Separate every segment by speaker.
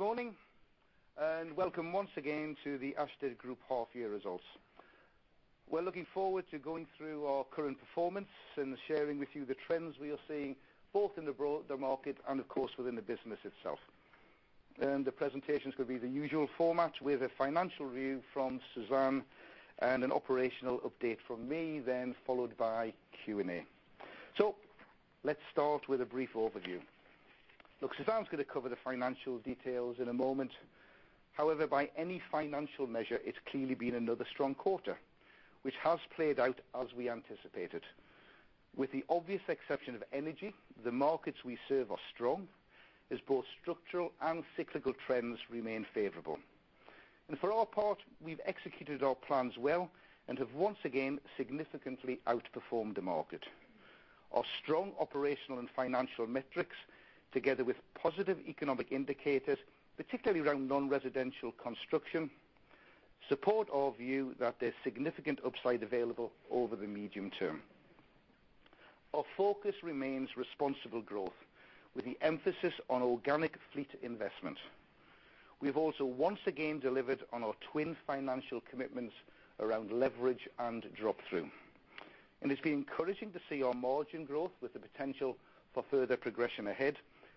Speaker 1: Morning, welcome once again to the Ashtead Group half-year results. We're looking forward to going through our current performance and sharing with you the trends we are seeing both in the broader market and, of course, within the business itself. The presentations will be the usual format with a financial view from Suzanne and an operational update from me, then followed by Q&A. Let's start with a brief overview. Suzanne's going to cover the financial details in a moment. However, by any financial measure, it's clearly been another strong quarter, which has played out as we anticipated. With the obvious exception of energy, the markets we serve are strong as both structural and cyclical trends remain favorable. For our part, we've executed our plans well and have once again significantly outperformed the market. Our strong operational and financial metrics, together with positive economic indicators, particularly around non-residential construction, support our view that there's significant upside available over the medium term. Our focus remains responsible growth with the emphasis on organic fleet investment. We've also once again delivered on our twin financial commitments around leverage and drop-through. It's been encouraging to see our margin growth with the potential for further progression ahead.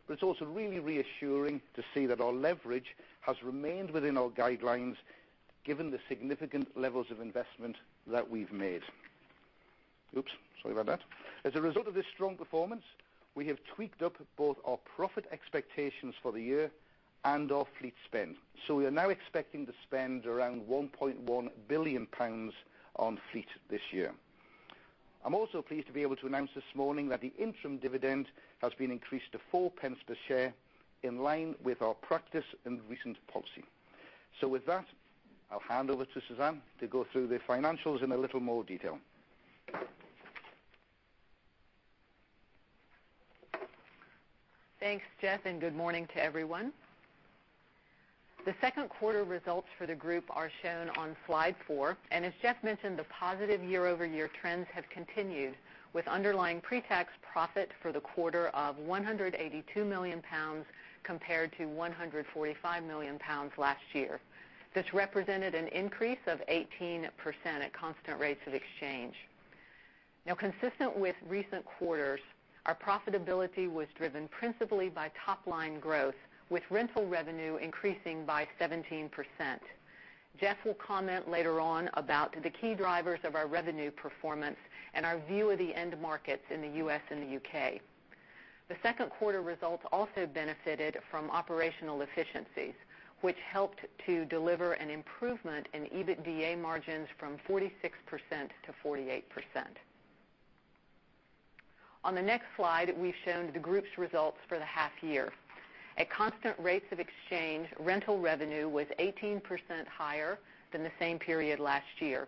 Speaker 1: It's also really reassuring to see that our leverage has remained within our guidelines given the significant levels of investment that we've made. Oops, sorry about that. As a result of this strong performance, we have tweaked up both our profit expectations for the year and our fleet spend. We are now expecting to spend around 1.1 billion pounds on fleet this year. I'm also pleased to be able to announce this morning that the interim dividend has been increased to 0.04 per share in line with our practice and recent policy. With that, I'll hand over to Suzanne to go through the financials in a little more detail.
Speaker 2: Thanks, Jeff, good morning to everyone. The second quarter results for the group are shown on slide four, and as Jeff mentioned, the positive year-over-year trends have continued with underlying pretax profit for the quarter of 182 million pounds, compared to 145 million pounds last year. This represented an increase of 18% at constant rates of exchange. Consistent with recent quarters, our profitability was driven principally by top-line growth, with rental revenue increasing by 17%. Jeff will comment later on about the key drivers of our revenue performance and our view of the end markets in the U.S. and the U.K. The second quarter results also benefited from operational efficiencies, which helped to deliver an improvement in EBITDA margins from 46%-48%. On the next slide, we've shown the group's results for the half-year. At constant rates of exchange, rental revenue was 18% higher than the same period last year.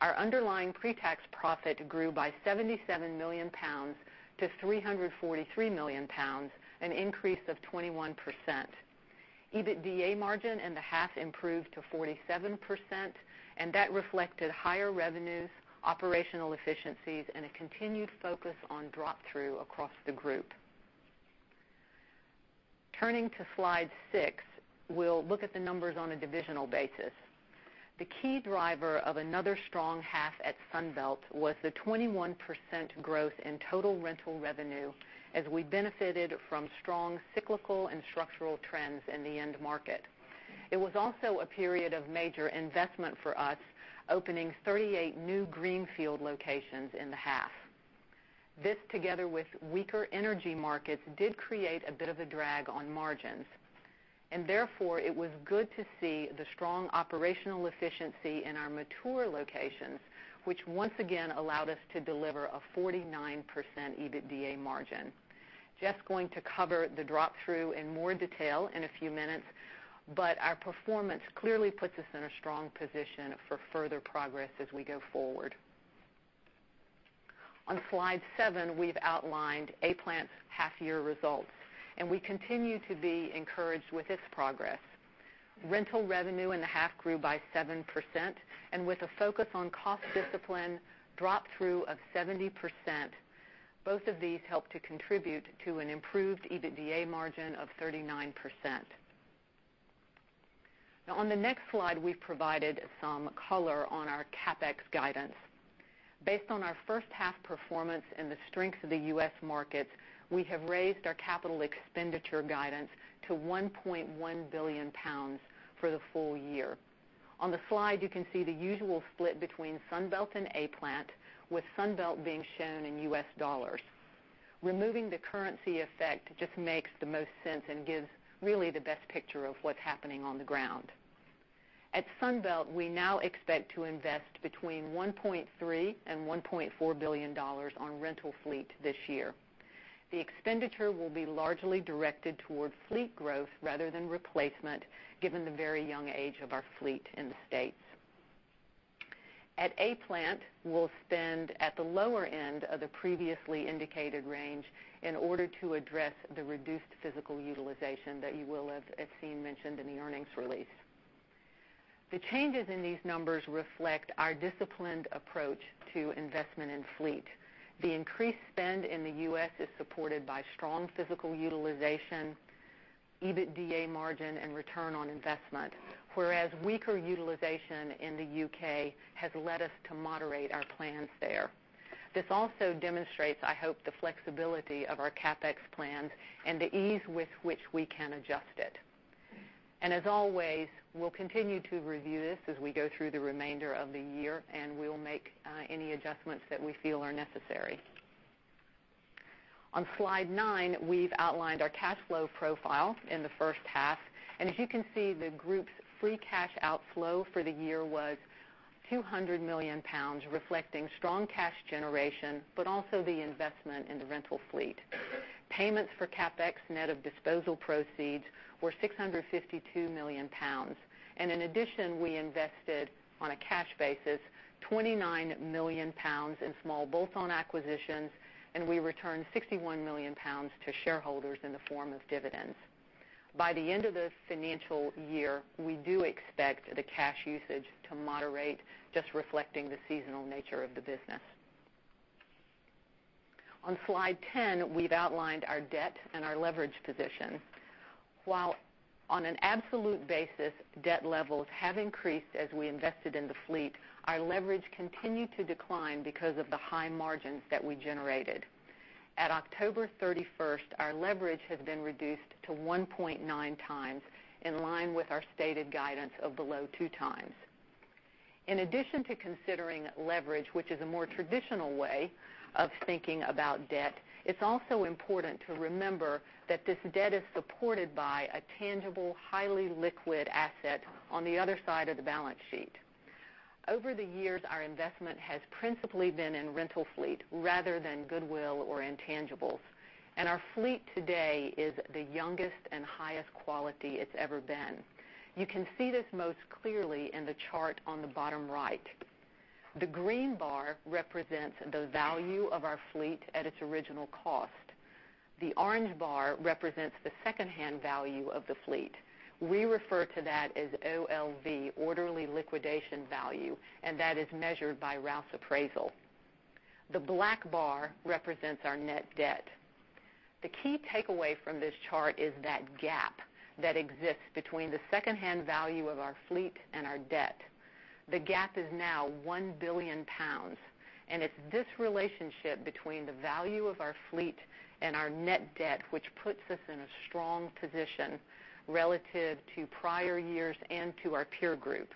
Speaker 2: Our underlying pretax profit grew by 77 million pounds to 343 million pounds, an increase of 21%. EBITDA margin in the half improved to 47%, and that reflected higher revenues, operational efficiencies, and a continued focus on drop-through across the group. Turning to slide six, we'll look at the numbers on a divisional basis. The key driver of another strong half at Sunbelt was the 21% growth in total rental revenue as we benefited from strong cyclical and structural trends in the end market. It was also a period of major investment for us, opening 38 new greenfield locations in the half. This, together with weaker energy markets, did create a bit of a drag on margins. Therefore, it was good to see the strong operational efficiency in our mature locations, which once again allowed us to deliver a 49% EBITDA margin. Geoff's going to cover the drop-through in more detail in a few minutes, but our performance clearly puts us in a strong position for further progress as we go forward. On slide seven, we've outlined A-Plant's half-year results, and we continue to be encouraged with its progress. Rental revenue in the half grew by 7%, and with a focus on cost discipline, drop-through of 70%. Both of these helped to contribute to an improved EBITDA margin of 39%. Now on the next slide, we've provided some color on our CapEx guidance. Based on our first half performance and the strength of the U.S. markets, we have raised our capital expenditure guidance to 1.1 billion pounds for the full year. On the slide, you can see the usual split between Sunbelt and A-Plant, with Sunbelt being shown in U.S. dollars. Removing the currency effect just makes the most sense and gives really the best picture of what's happening on the ground. At Sunbelt, we now expect to invest between $1.3 billion and $1.4 billion on rental fleet this year. The expenditure will be largely directed towards fleet growth rather than replacement, given the very young age of our fleet in the States. At A-Plant, we'll spend at the lower end of the previously indicated range in order to address the reduced physical utilization that you will have seen mentioned in the earnings release. The changes in these numbers reflect our disciplined approach to investment in fleet. The increased spend in the U.S. is supported by strong physical utilization, EBITDA margin, and return on investment, whereas weaker utilization in the U.K. has led us to moderate our plans there. This also demonstrates, I hope, the flexibility of our CapEx plans and the ease with which we can adjust it. As always, we'll continue to review this as we go through the remainder of the year, and we will make any adjustments that we feel are necessary. On slide nine, we've outlined our cash flow profile in the first half, and as you can see, the group's free cash outflow for the year was 200 million pounds, reflecting strong cash generation, but also the investment in the rental fleet. Payments for CapEx net of disposal proceeds were 652 million pounds. In addition, we invested, on a cash basis, 29 million pounds in small bolt-on acquisitions, and we returned 61 million pounds to shareholders in the form of dividends. By the end of the financial year, we do expect the cash usage to moderate, just reflecting the seasonal nature of the business. On slide 10, we've outlined our debt and our leverage position. While on an absolute basis, debt levels have increased as we invested in the fleet, our leverage continued to decline because of the high margins that we generated. At October 31st, our leverage had been reduced to 1.9 times, in line with our stated guidance of below two times. In addition to considering leverage, which is a more traditional way of thinking about debt, it's also important to remember that this debt is supported by a tangible, highly liquid asset on the other side of the balance sheet. Over the years, our investment has principally been in rental fleet rather than goodwill or intangibles, and our fleet today is the youngest and highest quality it's ever been. You can see this most clearly in the chart on the bottom right. The green bar represents the value of our fleet at its original cost. The orange bar represents the secondhand value of the fleet. We refer to that as OLV, orderly liquidation value, and that is measured by Rouse Appraisal. The black bar represents our net debt. The key takeaway from this chart is that gap that exists between the secondhand value of our fleet and our debt. The gap is now 1 billion pounds, and it's this relationship between the value of our fleet and our net debt which puts us in a strong position relative to prior years and to our peer group.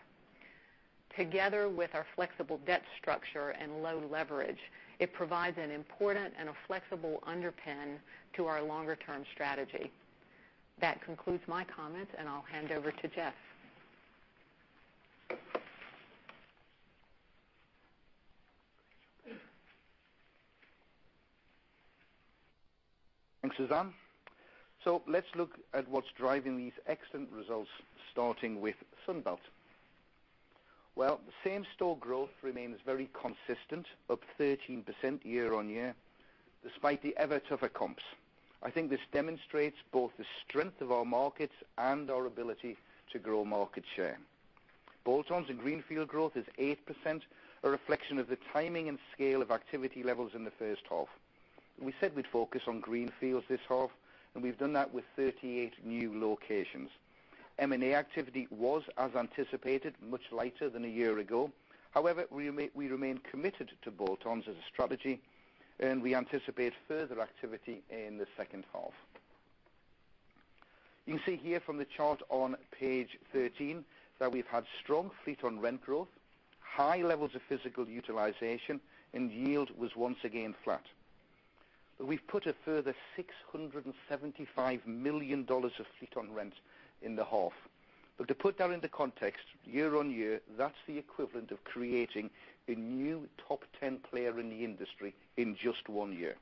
Speaker 2: Together with our flexible debt structure and low leverage, it provides an important and a flexible underpin to our longer-term strategy. That concludes my comments, and I'll hand over to Geoff.
Speaker 1: Thanks, Suzanne. Let's look at what's driving these excellent results, starting with Sunbelt. The same-store growth remains very consistent, up 13% year-on-year, despite the ever tougher comps. I think this demonstrates both the strength of our markets and our ability to grow market share. Bolt-ons and greenfield growth is 8%, a reflection of the timing and scale of activity levels in the first half. We said we'd focus on greenfields this half, and we've done that with 38 new locations. M&A activity was, as anticipated, much lighter than a year ago. However, we remain committed to bolt-ons as a strategy, and we anticipate further activity in the second half. You can see here from the chart on page 13 that we've had strong fleet-on-rent growth, high levels of physical utilization, and yield was once again flat. We've put a further $675 million of fleet-on-rent in the half. To put that into context, year-on-year, that is the equivalent of creating a new top 10 player in the industry in just one year.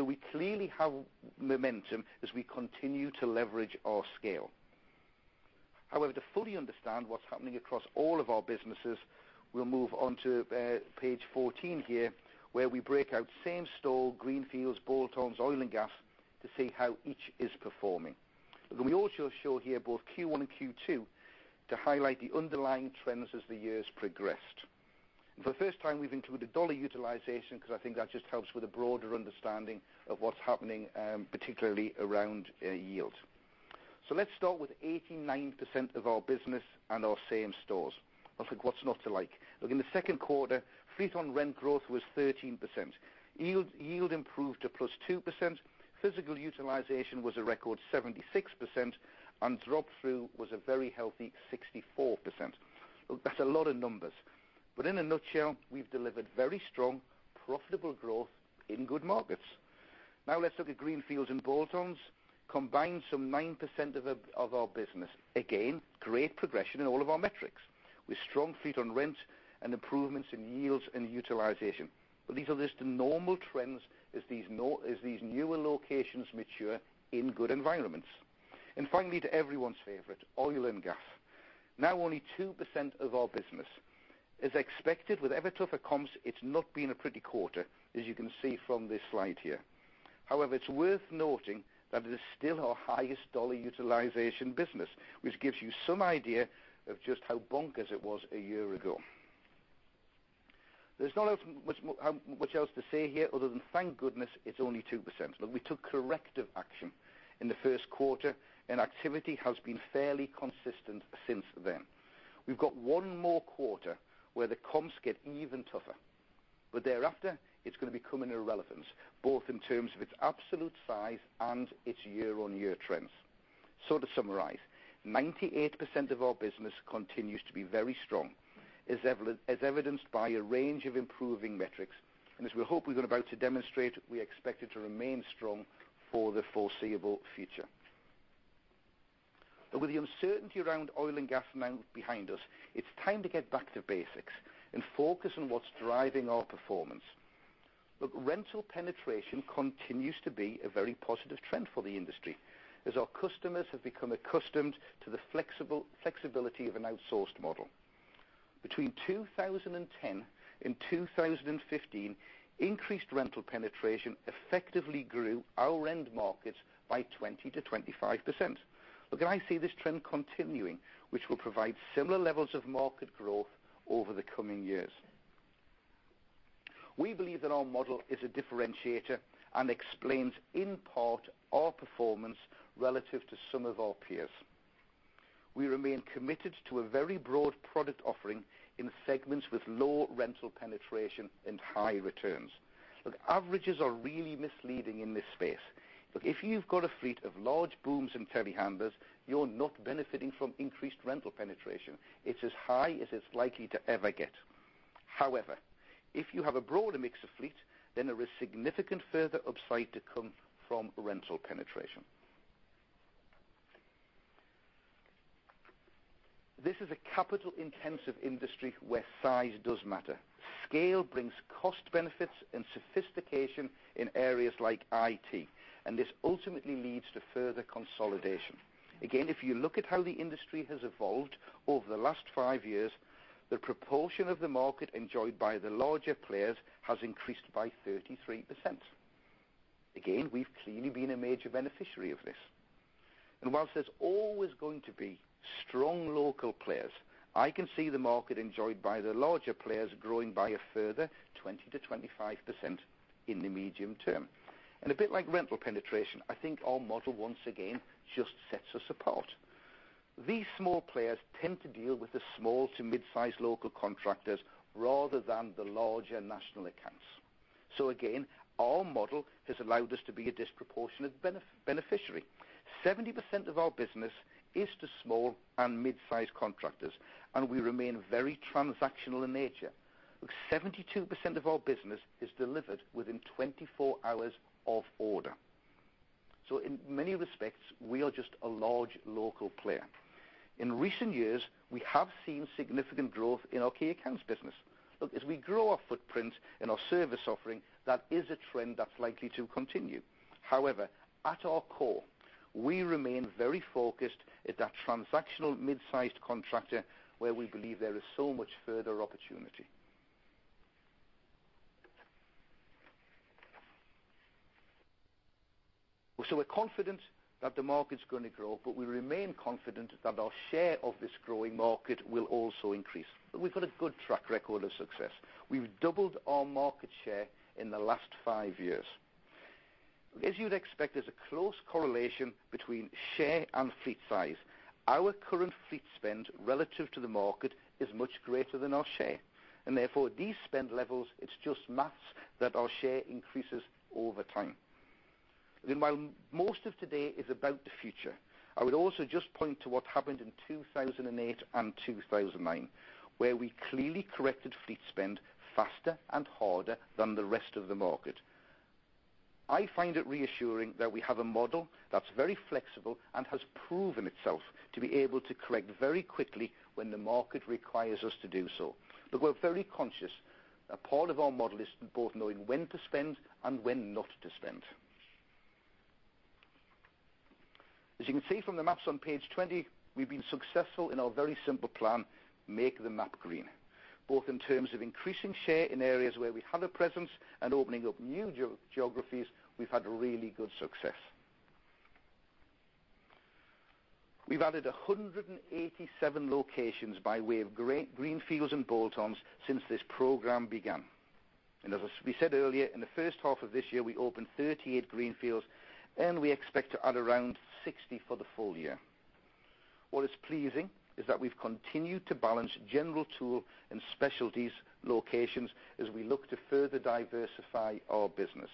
Speaker 1: We clearly have momentum as we continue to leverage our scale. However, to fully understand what is happening across all of our businesses, we will move on to page 14 here, where we break out same store, greenfields, bolt-ons, oil and gas to see how each is performing. We also show here both Q1 and Q2 to highlight the underlying trends as the year has progressed. For the first time, we have included dollar utilization because I think that just helps with a broader understanding of what is happening, particularly around yield. Let us start with 89% of our business and our same stores. What is not to like? Look, in the second quarter, fleet-on-rent growth was 13%. Yield improved to +2%. Physical utilization was a record 76%, and drop-through was a very healthy 64%. Look, that is a lot of numbers, but in a nutshell, we have delivered very strong, profitable growth in good markets. Now let us look at greenfields and bolt-ons. Combined some 9% of our business. Again, great progression in all of our metrics, with strong fleet-on-rent and improvements in yields and utilization. These are just the normal trends as these newer locations mature in good environments. Finally, to everyone's favorite, oil and gas. Now only 2% of our business. As expected, with ever tougher comps, it has not been a pretty quarter, as you can see from this slide here. However, it is worth noting that it is still our highest dollar utilization business, which gives you some idea of just how bonkers it was a year ago. There is not much else to say here other than thank goodness it is only 2%. Look, we took corrective action in the first quarter, and activity has been fairly consistent since then. We have got one more quarter where the comps get even tougher, but thereafter it is going to become an irrelevance, both in terms of its absolute size and its year-on-year trends. To summarize, 98% of our business continues to be very strong, as evidenced by a range of improving metrics. As we hope we are about to demonstrate, we expect it to remain strong for the foreseeable future. With the uncertainty around oil and gas now behind us, it is time to get back to basics and focus on what is driving our performance. Look, rental penetration continues to be a very positive trend for the industry, as our customers have become accustomed to the flexibility of an outsourced model. Between 2010 and 2015, increased rental penetration effectively grew our end markets by 20%-25%. Look, I see this trend continuing, which will provide similar levels of market growth over the coming years. We believe that our model is a differentiator and explains, in part, our performance relative to some of our peers. We remain committed to a very broad product offering in segments with low rental penetration and high returns. Look, averages are really misleading in this space. Look, if you have got a fleet of large booms and telehandlers, you are not benefiting from increased rental penetration. It is as high as it is likely to ever get. However, if you have a broader mix of fleet, then there is significant further upside to come from rental penetration. This is a capital-intensive industry where size does matter. Scale brings cost benefits and sophistication in areas like IT. This ultimately leads to further consolidation. If you look at how the industry has evolved over the last five years, the proportion of the market enjoyed by the larger players has increased by 33%. We've clearly been a major beneficiary of this. Whilst there's always going to be strong local players, I can see the market enjoyed by the larger players growing by a further 20%-25% in the medium term. A bit like rental penetration, I think our model, once again, just sets us apart. These small players tend to deal with the small to mid-size local contractors rather than the larger national accounts. Our model has allowed us to be a disproportionate beneficiary. 70% of our business is to small and mid-size contractors. We remain very transactional in nature. 72% of our business is delivered within 24 hours of order. In many respects, we are just a large local player. In recent years, we have seen significant growth in our key accounts business. As we grow our footprint and our service offering, that is a trend that's likely to continue. However, at our core, we remain very focused at that transactional mid-sized contractor, where we believe there is so much further opportunity. We're confident that the market's going to grow, but we remain confident that our share of this growing market will also increase. We've got a good track record of success. We've doubled our market share in the last five years. As you'd expect, there's a close correlation between share and fleet size. Our current fleet spend relative to the market is much greater than our share. Therefore, at these spend levels, it's just maths that our share increases over time. While most of today is about the future, I would also just point to what happened in 2008 and 2009, where we clearly corrected fleet spend faster and harder than the rest of the market. I find it reassuring that we have a model that's very flexible and has proven itself to be able to correct very quickly when the market requires us to do so. We're very conscious that part of our model is both knowing when to spend and when not to spend. As you can see from the maps on page 20, we've been successful in our very simple plan, make the map green. Both in terms of increasing share in areas where we have a presence and opening up new geographies, we've had really good success. We've added 187 locations by way of greenfields and bolt-ons since this program began. As we said earlier, in the first half of this year, we opened 38 greenfields. We expect to add around 60 for the full year. What is pleasing is that we've continued to balance general tool and specialties locations as we look to further diversify our business.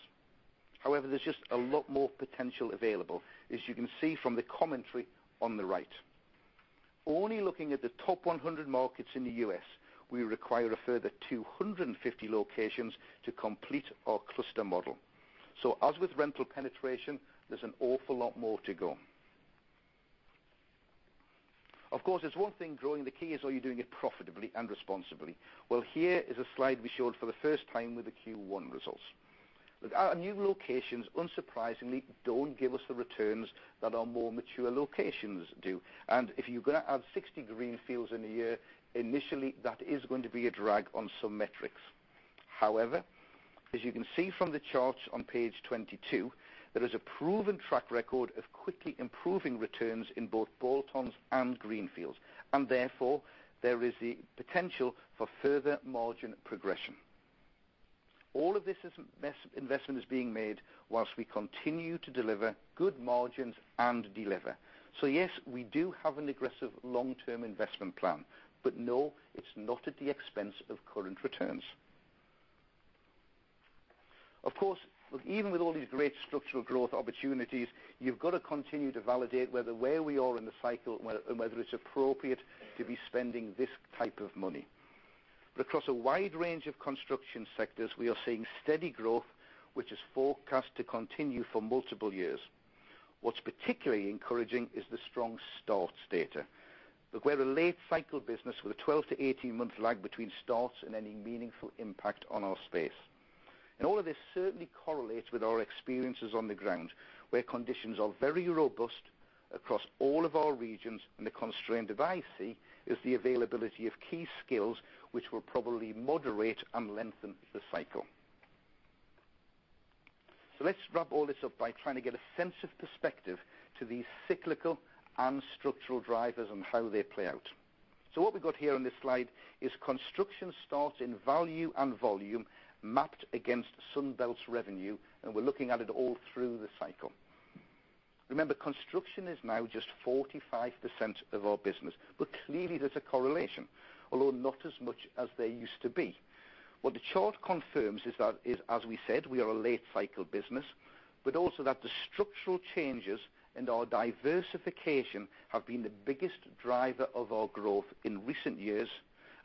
Speaker 1: However, there's just a lot more potential available, as you can see from the commentary on the right. Only looking at the top 100 markets in the U.S., we require a further 250 locations to complete our cluster model. As with rental penetration, there's an awful lot more to go. Of course, it's one thing growing. The key is, are you doing it profitably and responsibly? Here is a slide we showed for the first time with the Q1 results. Our new locations, unsurprisingly, don't give us the returns that our more mature locations do. If you're going to add 60 greenfields in a year, initially, that is going to be a drag on some metrics. However, as you can see from the charts on page 22, there is a proven track record of quickly improving returns in both bolt-ons and greenfields, therefore there is the potential for further margin progression. All of this investment is being made whilst we continue to deliver good margins and deliver. Yes, we do have an aggressive long-term investment plan. No, it's not at the expense of current returns. Of course, even with all these great structural growth opportunities, you've got to continue to validate where we are in the cycle and whether it's appropriate to be spending this type of money. Across a wide range of construction sectors, we are seeing steady growth, which is forecast to continue for multiple years. What's particularly encouraging is the strong starts data. We're a late-cycle business with a 12 to 18-month lag between starts and any meaningful impact on our space. All of this certainly correlates with our experiences on the ground, where conditions are very robust across all of our regions, and the constraint that I see is the availability of key skills, which will probably moderate and lengthen the cycle. Let's wrap all this up by trying to get a sense of perspective to these cyclical and structural drivers and how they play out. What we got here on this slide is construction starts in value and volume mapped against Sunbelt's revenue, and we're looking at it all through the cycle. Remember, construction is now just 45% of our business. Clearly, there's a correlation, although not as much as there used to be. What the chart confirms is, as we said, we are a late-cycle business, but also that the structural changes and our diversification have been the biggest driver of our growth in recent years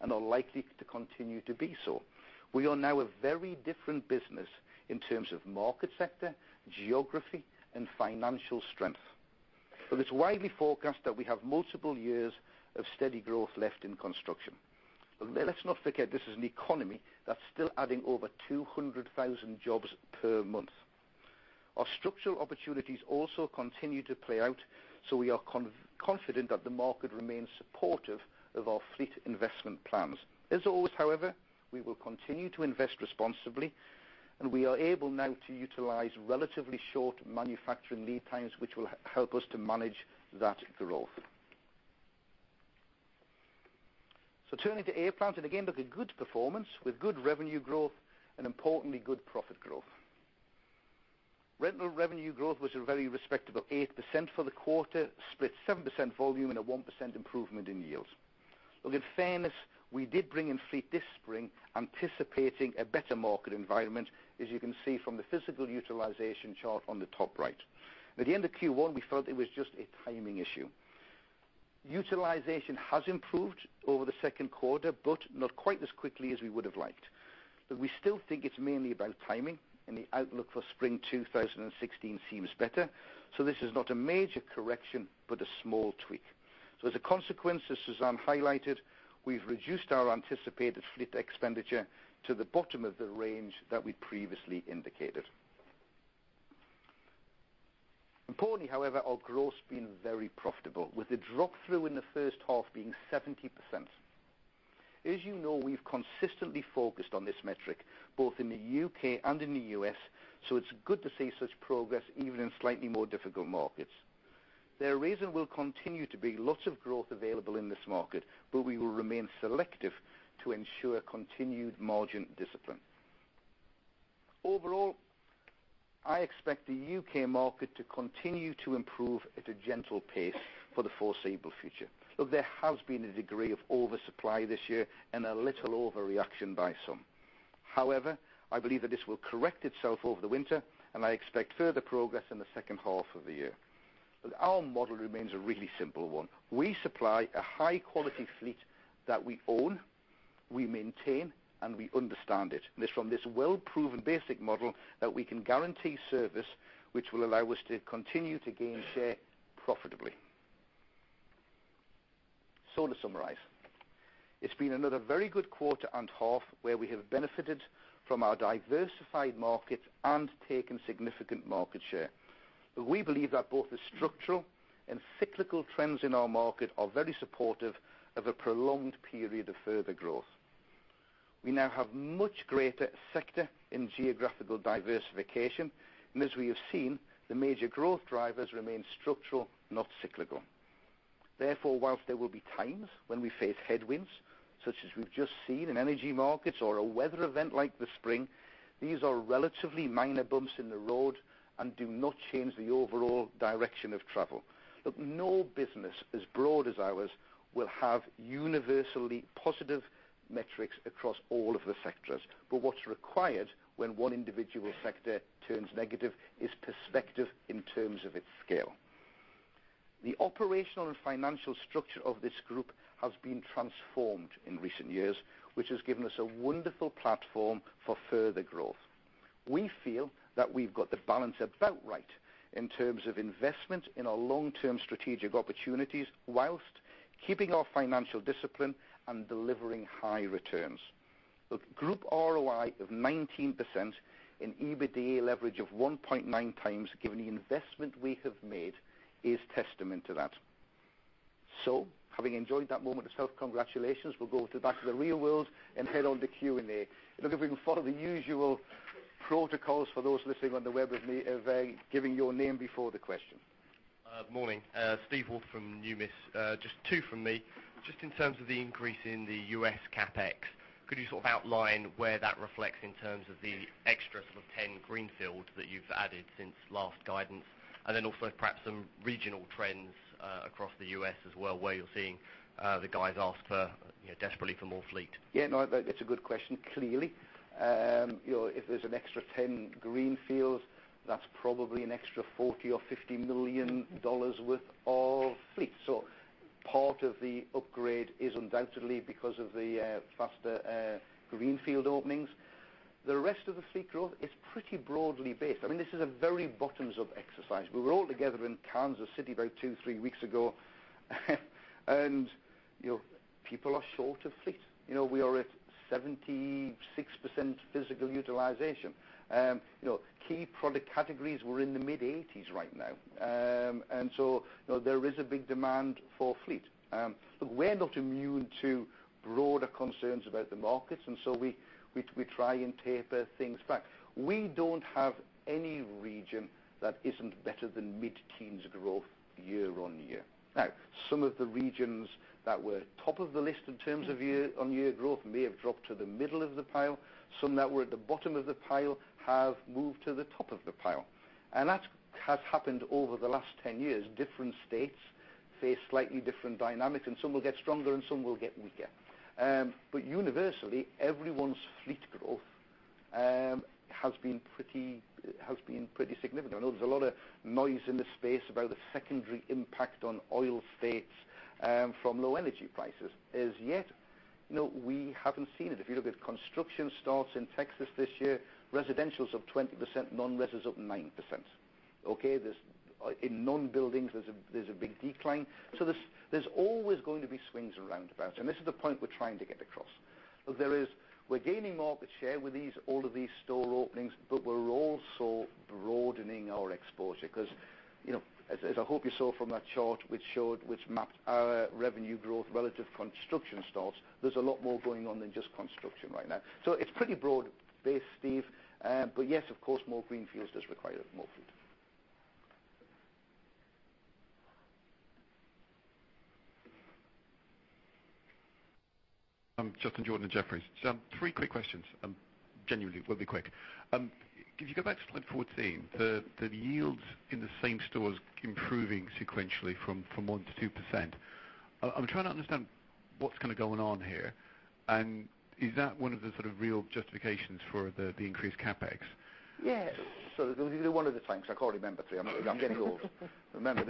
Speaker 1: and are likely to continue to be so. We are now a very different business in terms of market sector, geography, and financial strength. It's widely forecast that we have multiple years of steady growth left in construction. Let's not forget, this is an economy that's still adding over 200,000 jobs per month. Our structural opportunities also continue to play out, we are confident that the market remains supportive of our fleet investment plans. As always, however, we will continue to invest responsibly, we are able now to utilize relatively short manufacturing lead times, which will help us to manage that growth. Turning to aerials, again, with a good performance with good revenue growth and importantly, good profit growth. Rental revenue growth was a very respectable 8% for the quarter, split 7% volume and a 1% improvement in yields. In fairness, we did bring in fleet this spring anticipating a better market environment, as you can see from the physical utilization chart on the top right. At the end of Q1, we felt it was just a timing issue. Utilization has improved over the second quarter, but not quite as quickly as we would have liked. We still think it's mainly about timing, and the outlook for spring 2016 seems better. This is not a major correction, but a small tweak. As a consequence, as Suzanne highlighted, we've reduced our anticipated fleet expenditure to the bottom of the range that we previously indicated. Importantly, however, our growth's been very profitable, with the drop-through in the first half being 70%. As you know, we've consistently focused on this metric, both in the U.K. and in the U.S., it's good to see such progress even in slightly more difficult markets. There remains and will continue to be lots of growth available in this market, but we will remain selective to ensure continued margin discipline. Overall, I expect the U.K. market to continue to improve at a gentle pace for the foreseeable future. There has been a degree of oversupply this year and a little overreaction by some. However, I believe that this will correct itself over the winter, and I expect further progress in the second half of the year. Our model remains a really simple one. We supply a high-quality fleet that we own, we maintain, and we understand it. It's from this well-proven basic model that we can guarantee service, which will allow us to continue to gain share profitably. To summarize. It's been another very good quarter and half where we have benefited from our diversified markets and taken significant market share. We believe that both the structural and cyclical trends in our market are very supportive of a prolonged period of further growth. We now have much greater sector and geographical diversification, and as we have seen, the major growth drivers remain structural, not cyclical. Whilst there will be times when we face headwinds, such as we've just seen in energy markets or a weather event like the spring, these are relatively minor bumps in the road and do not change the overall direction of travel. Look, no business as broad as ours will have universally positive metrics across all of the sectors. What's required when one individual sector turns negative is perspective in terms of its scale. The operational and financial structure of this group has been transformed in recent years, which has given us a wonderful platform for further growth. We feel that we've got the balance about right in terms of investment in our long-term strategic opportunities whilst keeping our financial discipline and delivering high returns. Look, group ROI of 19% and EBITDA leverage of 1.9 times, given the investment we have made, is testament to that. Having enjoyed that moment of self-congratulations, we'll go back to the real world and head on to Q&A. Look, if we can follow the usual protocols for those listening on the web with me of giving your name before the question.
Speaker 3: Morning. Steve Woolf from Numis. Two from me. In terms of the increase in the U.S. CapEx, could you sort of outline where that reflects in terms of the extra sort of 10 greenfields that you've added since last guidance? Perhaps some regional trends, across the U.S. as well, where you're seeing, the guys ask desperately for more fleet.
Speaker 1: Yeah, no, that's a good question. Clearly, if there's an extra 10 greenfields, that's probably an extra $40 or $50 million worth of fleet. Part of the upgrade is undoubtedly because of the faster greenfield openings. The rest of the fleet growth is pretty broadly based. I mean, this is a very bottoms of exercise. We were all together in Kansas City about two, three weeks ago and people are short of fleet. We are at 76% physical utilization. Key product categories, we're in the mid-80s right now. There is a big demand for fleet. Look, we're not immune to broader concerns about the markets, we try and taper things back. We don't have any region that isn't better than mid-teens growth year-on-year. Some of the regions that were top of the list in terms of year-on-year growth may have dropped to the middle of the pile. Some that were at the bottom of the pile have moved to the top of the pile. That has happened over the last 10 years. Different states face slightly different dynamics, and some will get stronger and some will get weaker. Universally, everyone's fleet growth has been pretty significant. I know there's a lot of noise in the space about the secondary impact on oil states from low energy prices. As yet, we haven't seen it. If you look at construction starts in Texas this year, residential's up 20%, non-res is up 9%. Okay? In non-buildings, there's a big decline. There's always going to be swings around about, and this is the point we're trying to get across. Look, we're gaining market share with all of these store openings, we're also broadening our exposure because, as I hope you saw from that chart, which mapped our revenue growth relative to construction starts, there's a lot more going on than just construction right now. It's pretty broad based, Steve. Yes, of course, more greenfields does require more fleet.
Speaker 4: Justin Jordan at Jefferies. Three quick questions. Genuinely will be quick. If you go back to slide 14, the yields in the same store is improving sequentially from 1% to 2%. I'm trying to understand what's kind of going on here, and is that one of the sort of real justifications for the increased CapEx?
Speaker 1: Yeah. One at a time, because I can't remember three. I'm getting old. Remember,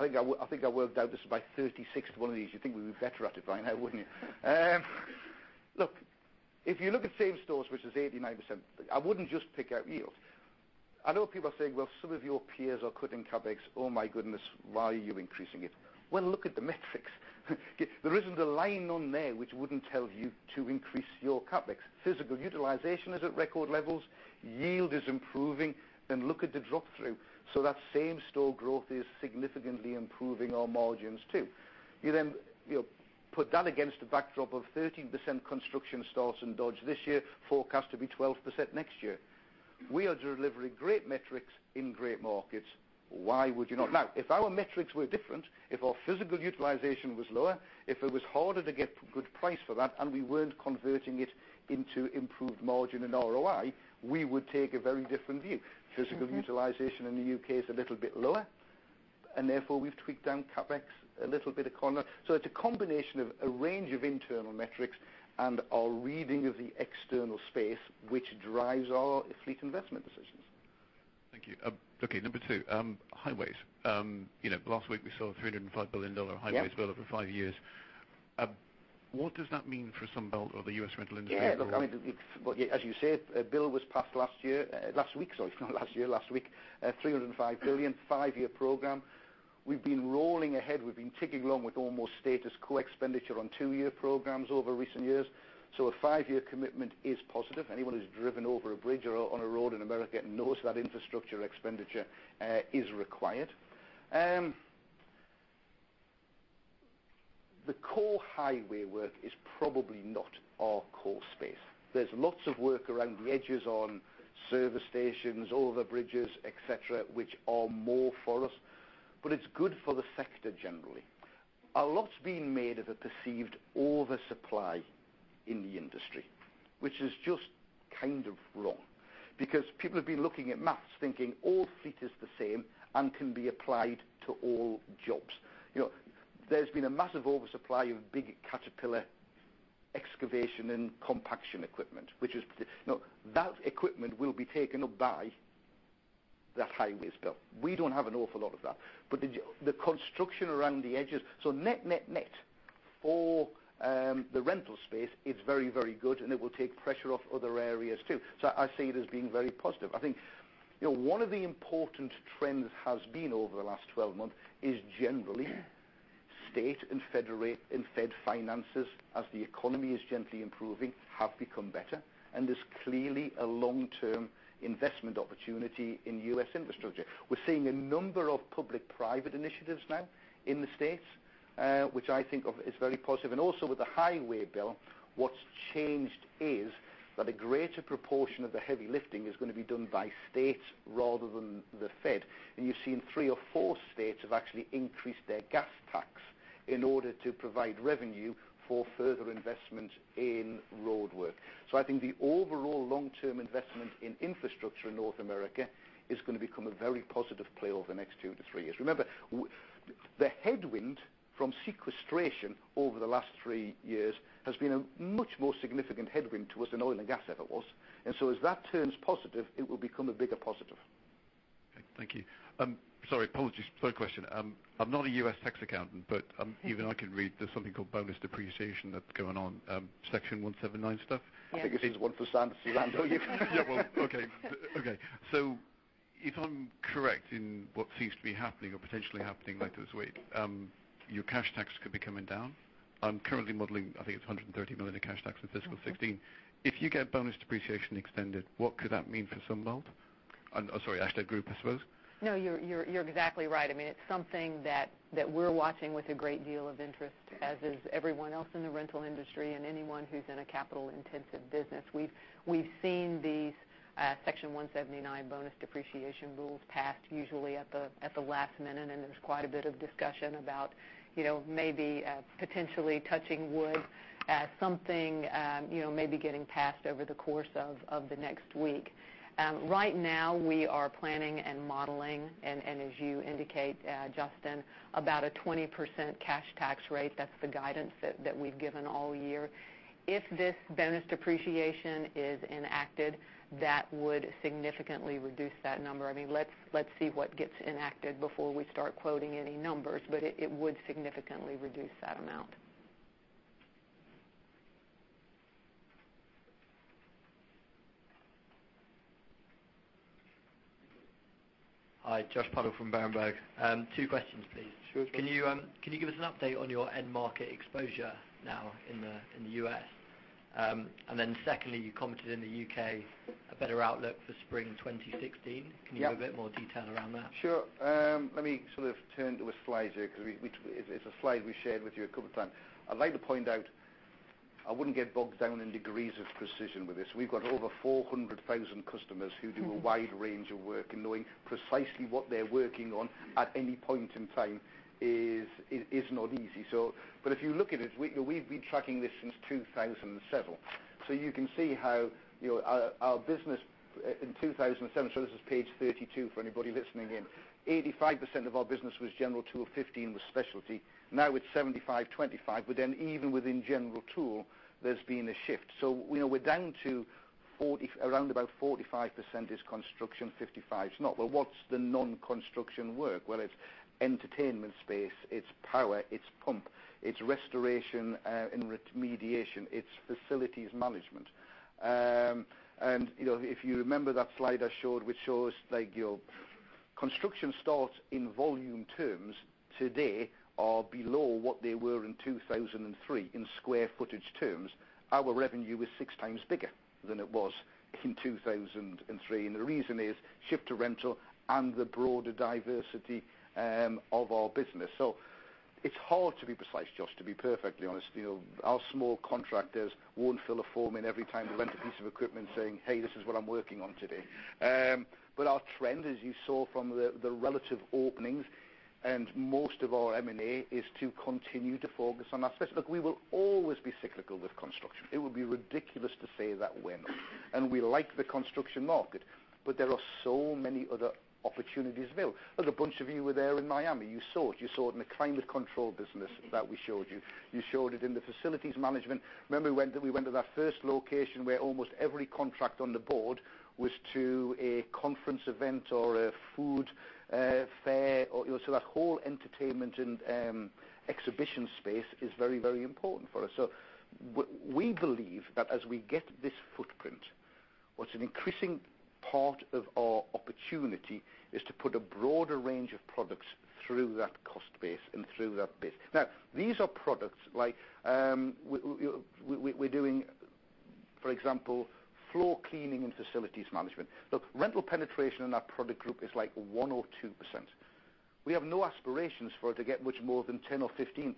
Speaker 1: I think I worked out this is my 36th one of these. You'd think we were better at it by now, wouldn't you? Look, if you look at same stores, which is 89%, I wouldn't just pick out yields. I know people are saying, "Well, some of your peers are cutting CapEx. Oh my goodness. Why are you increasing it?" Well, look at the metrics. There isn't a line on there which wouldn't tell you to increase your CapEx. Physical utilization is at record levels. Yield is improving. Look at the drop-through. That same-store growth is significantly improving our margins too. You then put that against a backdrop of 13% construction starts in Dodge this year, forecast to be 12% next year. We are delivering great metrics in great markets. Why would you not? Now, if our metrics were different, if our physical utilization was lower, if it was harder to get good price for that, and we weren't converting it into improved margin and ROI, we would take a very different view. Physical utilization in the U.K. is a little bit lower, and therefore we've tweaked down CapEx a little bit accordingly. It's a combination of a range of internal metrics and our reading of the external space, which drives our fleet investment decisions.
Speaker 4: Thank you. Okay, number two. Highways. Last week we saw a $305 billion highways bill-
Speaker 1: Yeah
Speaker 4: over five years. What does that mean for Sunbelt or the U.S. rental industry overall?
Speaker 1: Look, as you said, a bill was passed last year. Last week, sorry. Not last year, last week. A $305 billion, five-year program. We've been rolling ahead. We've been ticking along with almost status quo expenditure on two-year programs over recent years. A five-year commitment is positive. Anyone who's driven over a bridge or on a road in America knows that infrastructure expenditure is required. The core highway work is probably not our core space. There's lots of work around the edges on service stations, all the bridges, et cetera, which are more for us, but it's good for the sector generally. A lot's been made of a perceived oversupply in the industry, which is just kind of wrong because people have been looking at math thinking all fleet is the same and can be applied to all jobs. There's been a massive oversupply of big Caterpillar excavation and compaction equipment. That equipment will be taken up by that highways build. We don't have an awful lot of that. The construction around the edges. Net, net For the rental space, it's very good, and it will take pressure off other areas, too. I see it as being very positive. I think one of the important trends has been over the last 12 months is generally state and Fed finances, as the economy is gently improving, have become better, and there's clearly a long-term investment opportunity in U.S. infrastructure. We're seeing a number of public-private initiatives now in the States, which I think is very positive. Also with the highway bill, what's changed is that a greater proportion of the heavy lifting is going to be done by states rather than the Fed. You've seen three or four states have actually increased their gas tax in order to provide revenue for further investment in roadwork. I think the overall long-term investment in infrastructure in North America is going to become a very positive play over the next two to three years. Remember, the headwind from sequestration over the last three years has been a much more significant headwind to us than oil and gas ever was. As that turns positive, it will become a bigger positive.
Speaker 4: Okay. Thank you. Sorry. Apologies. Third question. I am not a U.S. tax accountant, but even I can read there is something called bonus depreciation that is going on, Section 179 stuff.
Speaker 1: I think it is one for Suzanne.
Speaker 4: If I am correct in what seems to be happening or potentially happening later this week, your cash taxes could be coming down. I am currently modeling, I think it is $130 million of cash tax for fiscal 2016. If you get bonus depreciation extended, what could that mean for Sunbelt? I am sorry, Ashtead Group, I suppose.
Speaker 2: You are exactly right. It is something that we are watching with a great deal of interest, as is everyone else in the rental industry and anyone who is in a capital-intensive business. We have seen these Section 179 bonus depreciation rules passed usually at the last minute, and there was quite a bit of discussion about maybe potentially touching wood at something maybe getting passed over the course of the next week. Right now, we are planning and modeling, and as you indicate, Justin, about a 20% cash tax rate. That is the guidance that we have given all year. If this bonus depreciation is enacted, that would significantly reduce that number. Let us see what gets enacted before we start quoting any numbers, but it would significantly reduce that amount.
Speaker 5: Hi, Josh Pottle from Berenberg. Two questions, please.
Speaker 1: Sure.
Speaker 5: Can you give us an update on your end market exposure now in the U.S.? Secondly, you commented in the U.K. a better outlook for spring 2016.
Speaker 1: Yeah.
Speaker 5: Can you give a bit more detail around that?
Speaker 1: Sure. Let me sort of turn to a slide here, because it's a slide we shared with you a couple of times. I'd like to point out, I wouldn't get bogged down in degrees of precision with this. We've got over 400,000 customers who do a wide range of work, and knowing precisely what they're working on at any point in time is not easy. If you look at it, we've been tracking this since 2007. You can see how our business in 2007, this is page 32 for anybody listening in, 85% of our business was general tool, 15 was specialty. Now it's 75/25. Even within general tool, there's been a shift. We're down to around about 45% is construction, 55's not. Well, what's the non-construction work? Well, it's entertainment space, it's power, it's pump, it's restoration and remediation, it's facilities management. If you remember that slide I showed, which shows construction starts in volume terms today are below what they were in 2003 in square footage terms. Our revenue was six times bigger than it was in 2003. The reason is shift to rental and the broader diversity of our business. It's hard to be precise, Josh, to be perfectly honest. Our small contractors won't fill a form in every time they rent a piece of equipment saying, "Hey, this is what I'm working on today." Our trend, as you saw from the relative openings, and most of our M&A is to continue to focus on. Look, we will always be cyclical with construction. It would be ridiculous to say that we're not. We like the construction market, but there are so many other opportunities available. Look, a bunch of you were there in Miami. You saw it. You saw it in the climate control business that we showed you. You saw it in the facilities management. Remember we went to that first location where almost every contract on the board was to a conference event or a food fair. That whole entertainment and exhibition space is very important for us. We believe that as we get this footprint, what's an increasing part of our opportunity is to put a broader range of products through that cost base and through that bit. Now, these are products like we're doing, for example, floor cleaning and facilities management. Look, rental penetration in that product group is like 1% or 2%. We have no aspirations for it to get much more than 10%-15%,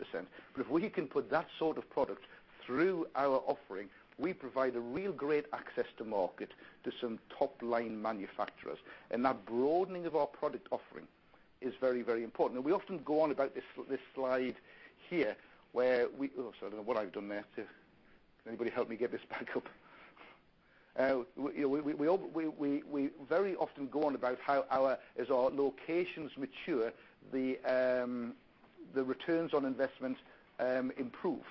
Speaker 1: but if we can put that sort of product through our offering, we provide a real great access to market to some top-line manufacturers. That broadening of our product offering is very important. Now we often go on about this slide here where we. Oh, sorry. I don't know what I've done there. Can anybody help me get this back up? We very often go on about how as our locations mature, the returns on investment improve.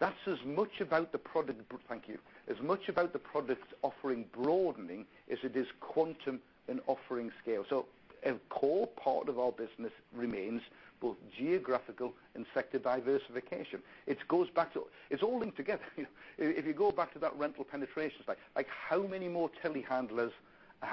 Speaker 1: That's as much about the product. Thank you. As much about the product offering broadening as it is quantum and offering scale. A core part of our business remains both geographical and sector diversification. It all linked together. If you go back to that rental penetration slide. How many more telehandlers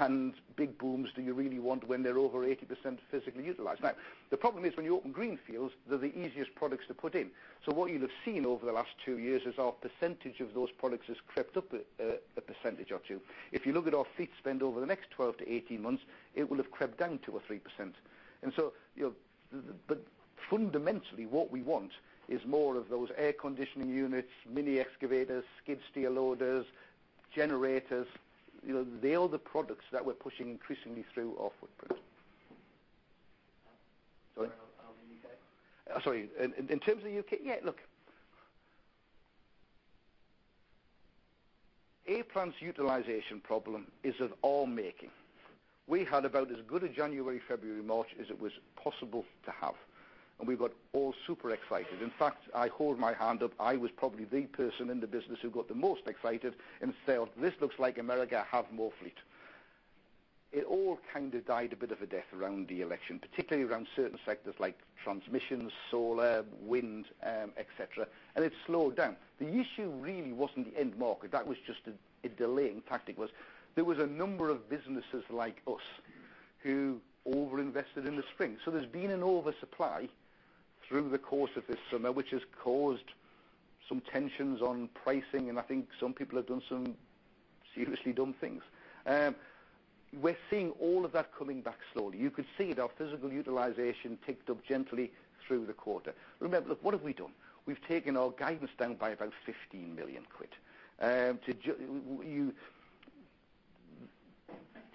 Speaker 1: and big booms do you really want when they're over 80% physically utilized? The problem is, when you open green fields, they're the easiest products to put in. What you'll have seen over the last two years is our percentage of those products has crept up a percentage or two. If you look at our fleet spend over the next 12-18 months, it will have crept down 2%-3%. Fundamentally, what we want is more of those air conditioning units, mini excavators, skid steer loaders, generators. They are the products that we're pushing increasingly through our footprint.
Speaker 2: How are you in the U.K.?
Speaker 1: Sorry, in terms of U.K.? Yeah, look. A-Plant's utilization problem is of our making. We had about as good a January, February, March as it was possible to have. We got all super excited. In fact, I hold my hand up, I was probably the person in the business who got the most excited and said, "This looks like America, have more fleet." It all kind of died a bit of a death around the election, particularly around certain sectors like transmission, solar, wind, et cetera. It slowed down. The issue really wasn't the end market. That was just a delaying tactic was, there was a number of businesses like us who over-invested in the spring. There's been an oversupply through the course of this summer, which has caused some tensions on pricing, and I think some people have done some seriously dumb things. We're seeing all of that coming back slowly. You could see it, our physical utilization ticked up gently through the quarter. Remember, look, what have we done? We've taken our guidance down by about 15 million quid.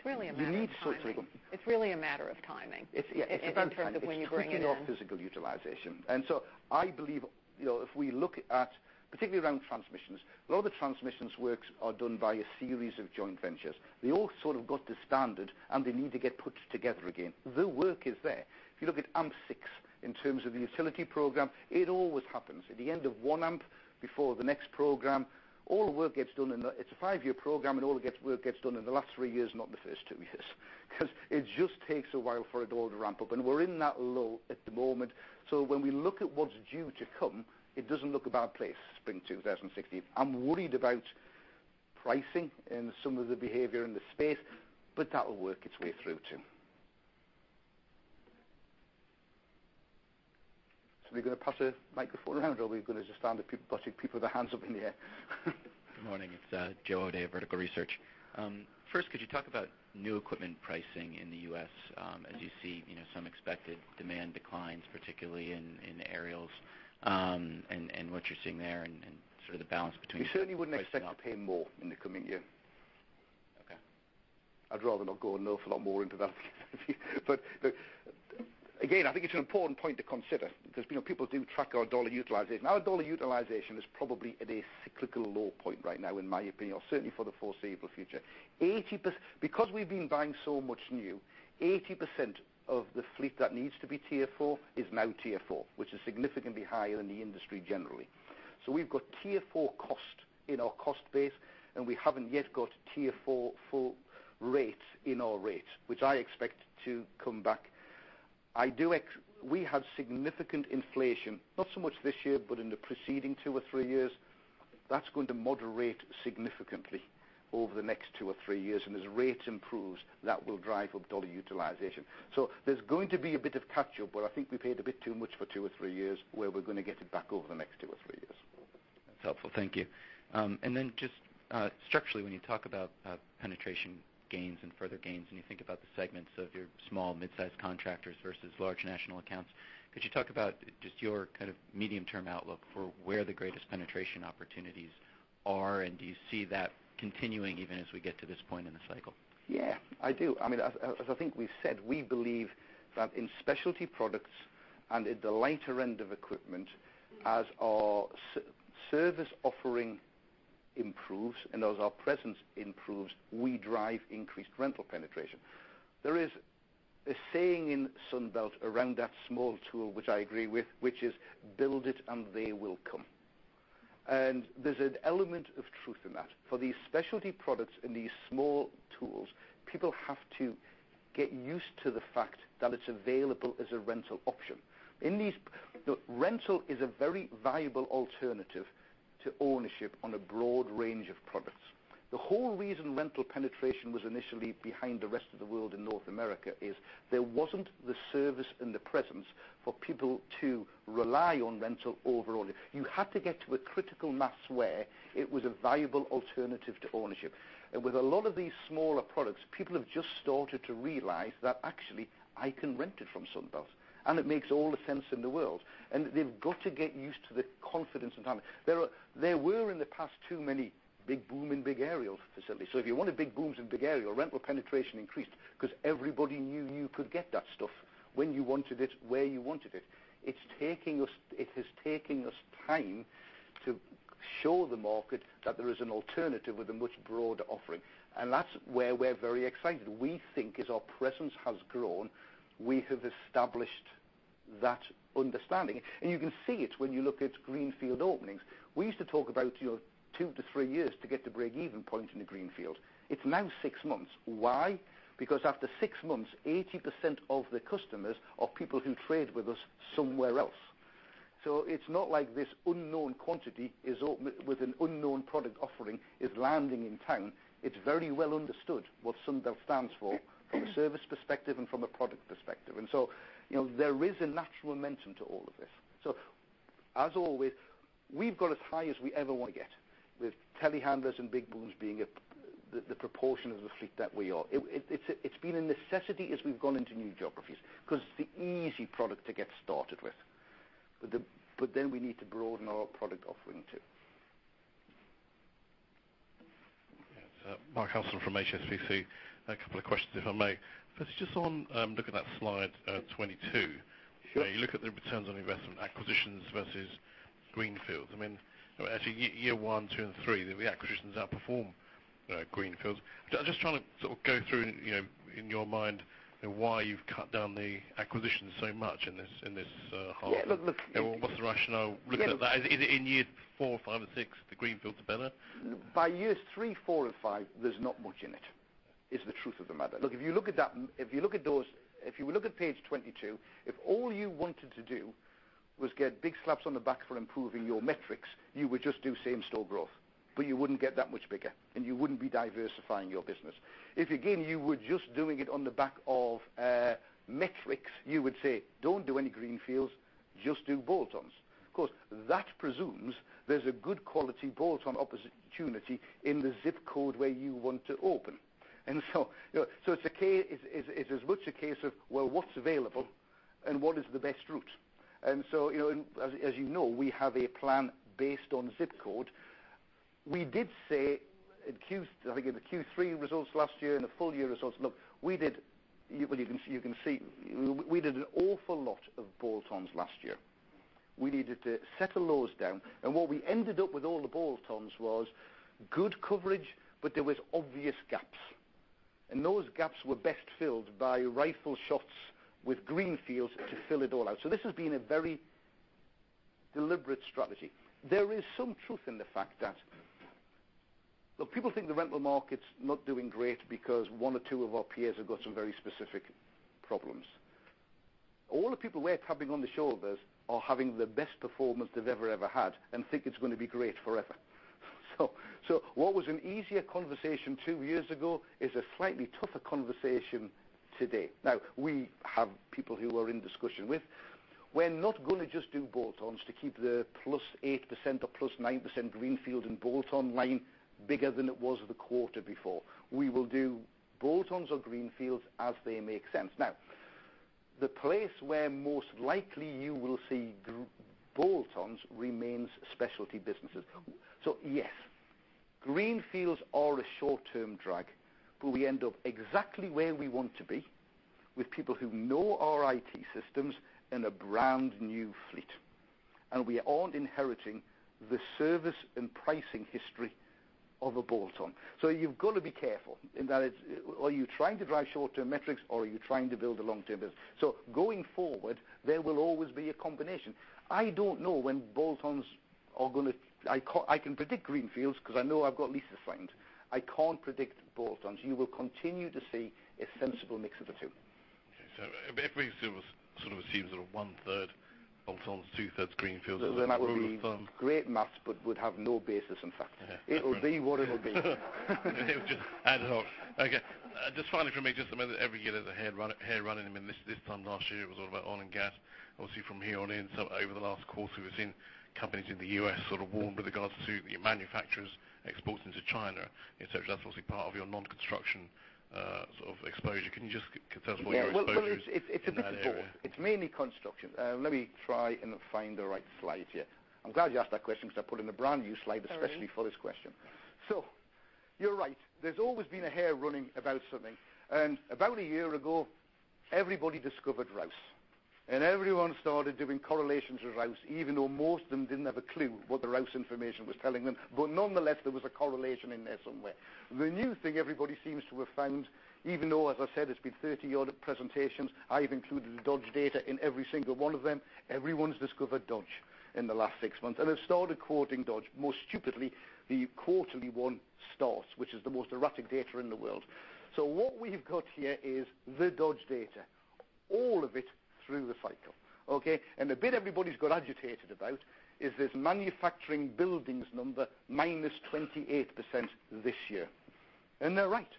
Speaker 2: It's really a matter of timing
Speaker 1: You need.
Speaker 2: It's really a matter of timing.
Speaker 1: It's, yeah. It's about timing.
Speaker 2: In terms of when you bring it in.
Speaker 1: It's creeping up physical utilization. I believe, if we look at, particularly around transmissions, a lot of the transmissions works are done by a series of joint ventures. They all sort of got to standard, and they need to get put together again. The work is there. If you look at AMP6, in terms of the utility program, it always happens. At the end of one AMP, before the next program, all the work gets done in the It's a five-year program, and all the work gets done in the last three years, not the first two years. Because it just takes a while for it all to ramp up, and we're in that lull at the moment. When we look at what's due to come, it doesn't look a bad place, spring 2016. I'm worried about pricing and some of the behavior in the space, that will work its way through, too. We're going to pass a microphone around, or we're going to just stand up, bunching people with their hands up in the air.
Speaker 6: Good morning. It's Joe O'Dea, Vertical Research. First, could you talk about new equipment pricing in the U.S., as you see some expected demand declines, particularly in aerials, and what you're seeing there and sort of the balance between pricing-
Speaker 1: You certainly wouldn't expect to pay more in the coming year.
Speaker 6: Okay.
Speaker 1: I'd rather not go an awful lot more into that. Again, I think it's an important point to consider because people do track our dollar utilization. Our dollar utilization is probably at a cyclical low point right now, in my opinion, or certainly for the foreseeable future. Because we've been buying so much new, 80% of the fleet that needs to be Tier 4 is now Tier 4, which is significantly higher than the industry generally. We've got Tier 4 cost in our cost base, and we haven't yet got Tier 4 full rates in our rates, which I expect to come back. We have significant inflation, not so much this year, but in the preceding two or three years. That's going to moderate significantly over the next two or three years, and as rate improves, that will drive up dollar utilization. There's going to be a bit of catch-up, but I think we paid a bit too much for two or three years, where we're going to get it back over the next two or three years.
Speaker 6: That's helpful. Thank you. Then just structurally, when you talk about penetration gains and further gains, and you think about the segments of your small, mid-size contractors versus large national accounts, could you talk about just your kind of medium-term outlook for where the greatest penetration opportunities are? Do you see that continuing even as we get to this point in the cycle?
Speaker 1: Yeah, I do. As I think we've said, we believe that in specialty products and at the lighter end of equipment, as our service offering improves and as our presence improves, we drive increased rental penetration. There is a saying in Sunbelt around that small tool, which I agree with, which is, "Build it and they will come." There's an element of truth in that. For these specialty products and these small tools, people have to get used to the fact that it's available as a rental option. Rental is a very valuable alternative to ownership on a broad range of products. The whole reason rental penetration was initially behind the rest of the world in North America is there wasn't the service and the presence for people to rely on rental overall. You had to get to a critical mass where it was a valuable alternative to ownership. With a lot of these smaller products, people have just started to realize that actually, I can rent it from Sunbelt, and it makes all the sense in the world. They've got to get used to the confidence and timing. There were, in the past, too many big boom and big aerial facilities. If you wanted big booms and big aerial, rental penetration increased because everybody knew you could get that stuff when you wanted it, where you wanted it. It has taken us time to show the market that there is an alternative with a much broader offering, and that's where we're very excited. We think as our presence has grown, we have established that understanding. You can see it when you look at greenfield openings. We used to talk about two to three years to get to breakeven point in a greenfield. It's now six months. Why? Because after six months, 80% of the customers are people who trade with us somewhere else. It's not like this unknown quantity with an unknown product offering is landing in town. It's very well understood what Sunbelt stands for from a service perspective and from a product perspective. There is a natural momentum to all of this. As always, we've got as high as we ever want to get, with telehandlers and big booms being the proportion of the fleet that we are. It's been a necessity as we've gone into new geographies because it's the easy product to get started with. We need to broaden our product offering, too.
Speaker 7: Yes. Mark Hodgson from HSBC. A couple of questions, if I may. First, just on looking at slide 22.
Speaker 1: Sure.
Speaker 7: You look at the returns on investment acquisitions versus greenfields. Actually, year one, two, and three, the acquisitions outperform greenfields. Just trying to sort of go through, in your mind, why you've cut down the acquisitions so much in this half.
Speaker 1: Yeah.
Speaker 7: What's the rationale looking at that? In year four, five, and six, the greenfields are better?
Speaker 1: By years three, four, and five, there's not much in it, is the truth of the matter. Look, if you look at page 22, if all you wanted to do was get big slaps on the back for improving your metrics, you would just do same-store growth. You wouldn't get that much bigger, and you wouldn't be diversifying your business. If, again, you were just doing it on the back of metrics, you would say, "Don't do any greenfields, just do bolt-ons." Of course, that presumes there's a good quality bolt-on opportunity in the ZIP code where you want to open. It's as much a case of, well, what's available and what is the best route? As you know, we have a plan based on ZIP code. We did say, I think in the Q3 results last year and the full-year results, look, you can see we did an awful lot of bolt-ons last year. We needed to settle those down. What we ended up with all the bolt-ons was good coverage, but there was obvious gaps. Those gaps were best filled by rifle shots with greenfields to fill it all out. This has been a very deliberate strategy. There is some truth in the fact that, look, people think the rental market's not doing great because one or two of our peers have got some very specific problems. All the people we're tapping on the shoulders are having the best performance they've ever had and think it's going to be great forever. What was an easier conversation two years ago is a slightly tougher conversation today. Now, we have people who we're in discussion with. We're not going to just do bolt-ons to keep the +8% or +9% greenfield and bolt-on line bigger than it was the quarter before. We will do bolt-ons or greenfields as they make sense. The place where most likely you will see bolt-ons remains specialty businesses. Yes, greenfields are a short-term drag, but we end up exactly where we want to be with people who know our IT systems and a brand-new fleet. We aren't inheriting the service and pricing history of a bolt-on. You've got to be careful in that, are you trying to drive short-term metrics, or are you trying to build a long-term business? Going forward, there will always be a combination. I don't know when bolt-ons are going to. I can predict greenfields because I know I've got leases signed. I can't predict bolt-ons. You will continue to see a sensible mix of the two.
Speaker 7: Okay. If it was sort of seems that one-third bolt-ons, two-thirds greenfields.
Speaker 1: That would be great math but would have no basis in fact.
Speaker 7: Yeah.
Speaker 1: It will be what it will be.
Speaker 7: It will just add it up. Okay. Just finally from me, just at the minute, every year there's a hare running, and this time last year, it was all about oil and gas. Obviously, from here on in, over the last quarter, we've seen companies in the U.S. sort of warn with regards to your manufacturers exporting to China, et cetera. That's obviously part of your non-construction sort of exposure. Can you just tell us what your exposure is in that area?
Speaker 1: Yeah. Well, it's a bit of both. It's mainly construction. Let me try and find the right slide here. I'm glad you asked that question because I put in a brand-new slide especially for this question.
Speaker 7: Okay.
Speaker 1: You're right. There's always been a hare running about something. About a year ago, everybody discovered Rouse. Everyone started doing correlations with Rouse, even though most of them didn't have a clue what the Rouse information was telling them. Nonetheless, there was a correlation in there somewhere. The new thing everybody seems to have found, even though, as I said, it's been 30-odd presentations. I've included Dodge data in every single one of them. Everyone's discovered Dodge in the last six months, and they've started quoting Dodge. Most stupidly, the quarterly one starts, which is the most erratic data in the world. What we've got here is the Dodge data, all of it through the cycle. Okay? The bit everybody's got agitated about is this manufacturing buildings number, minus 28% this year. They're right.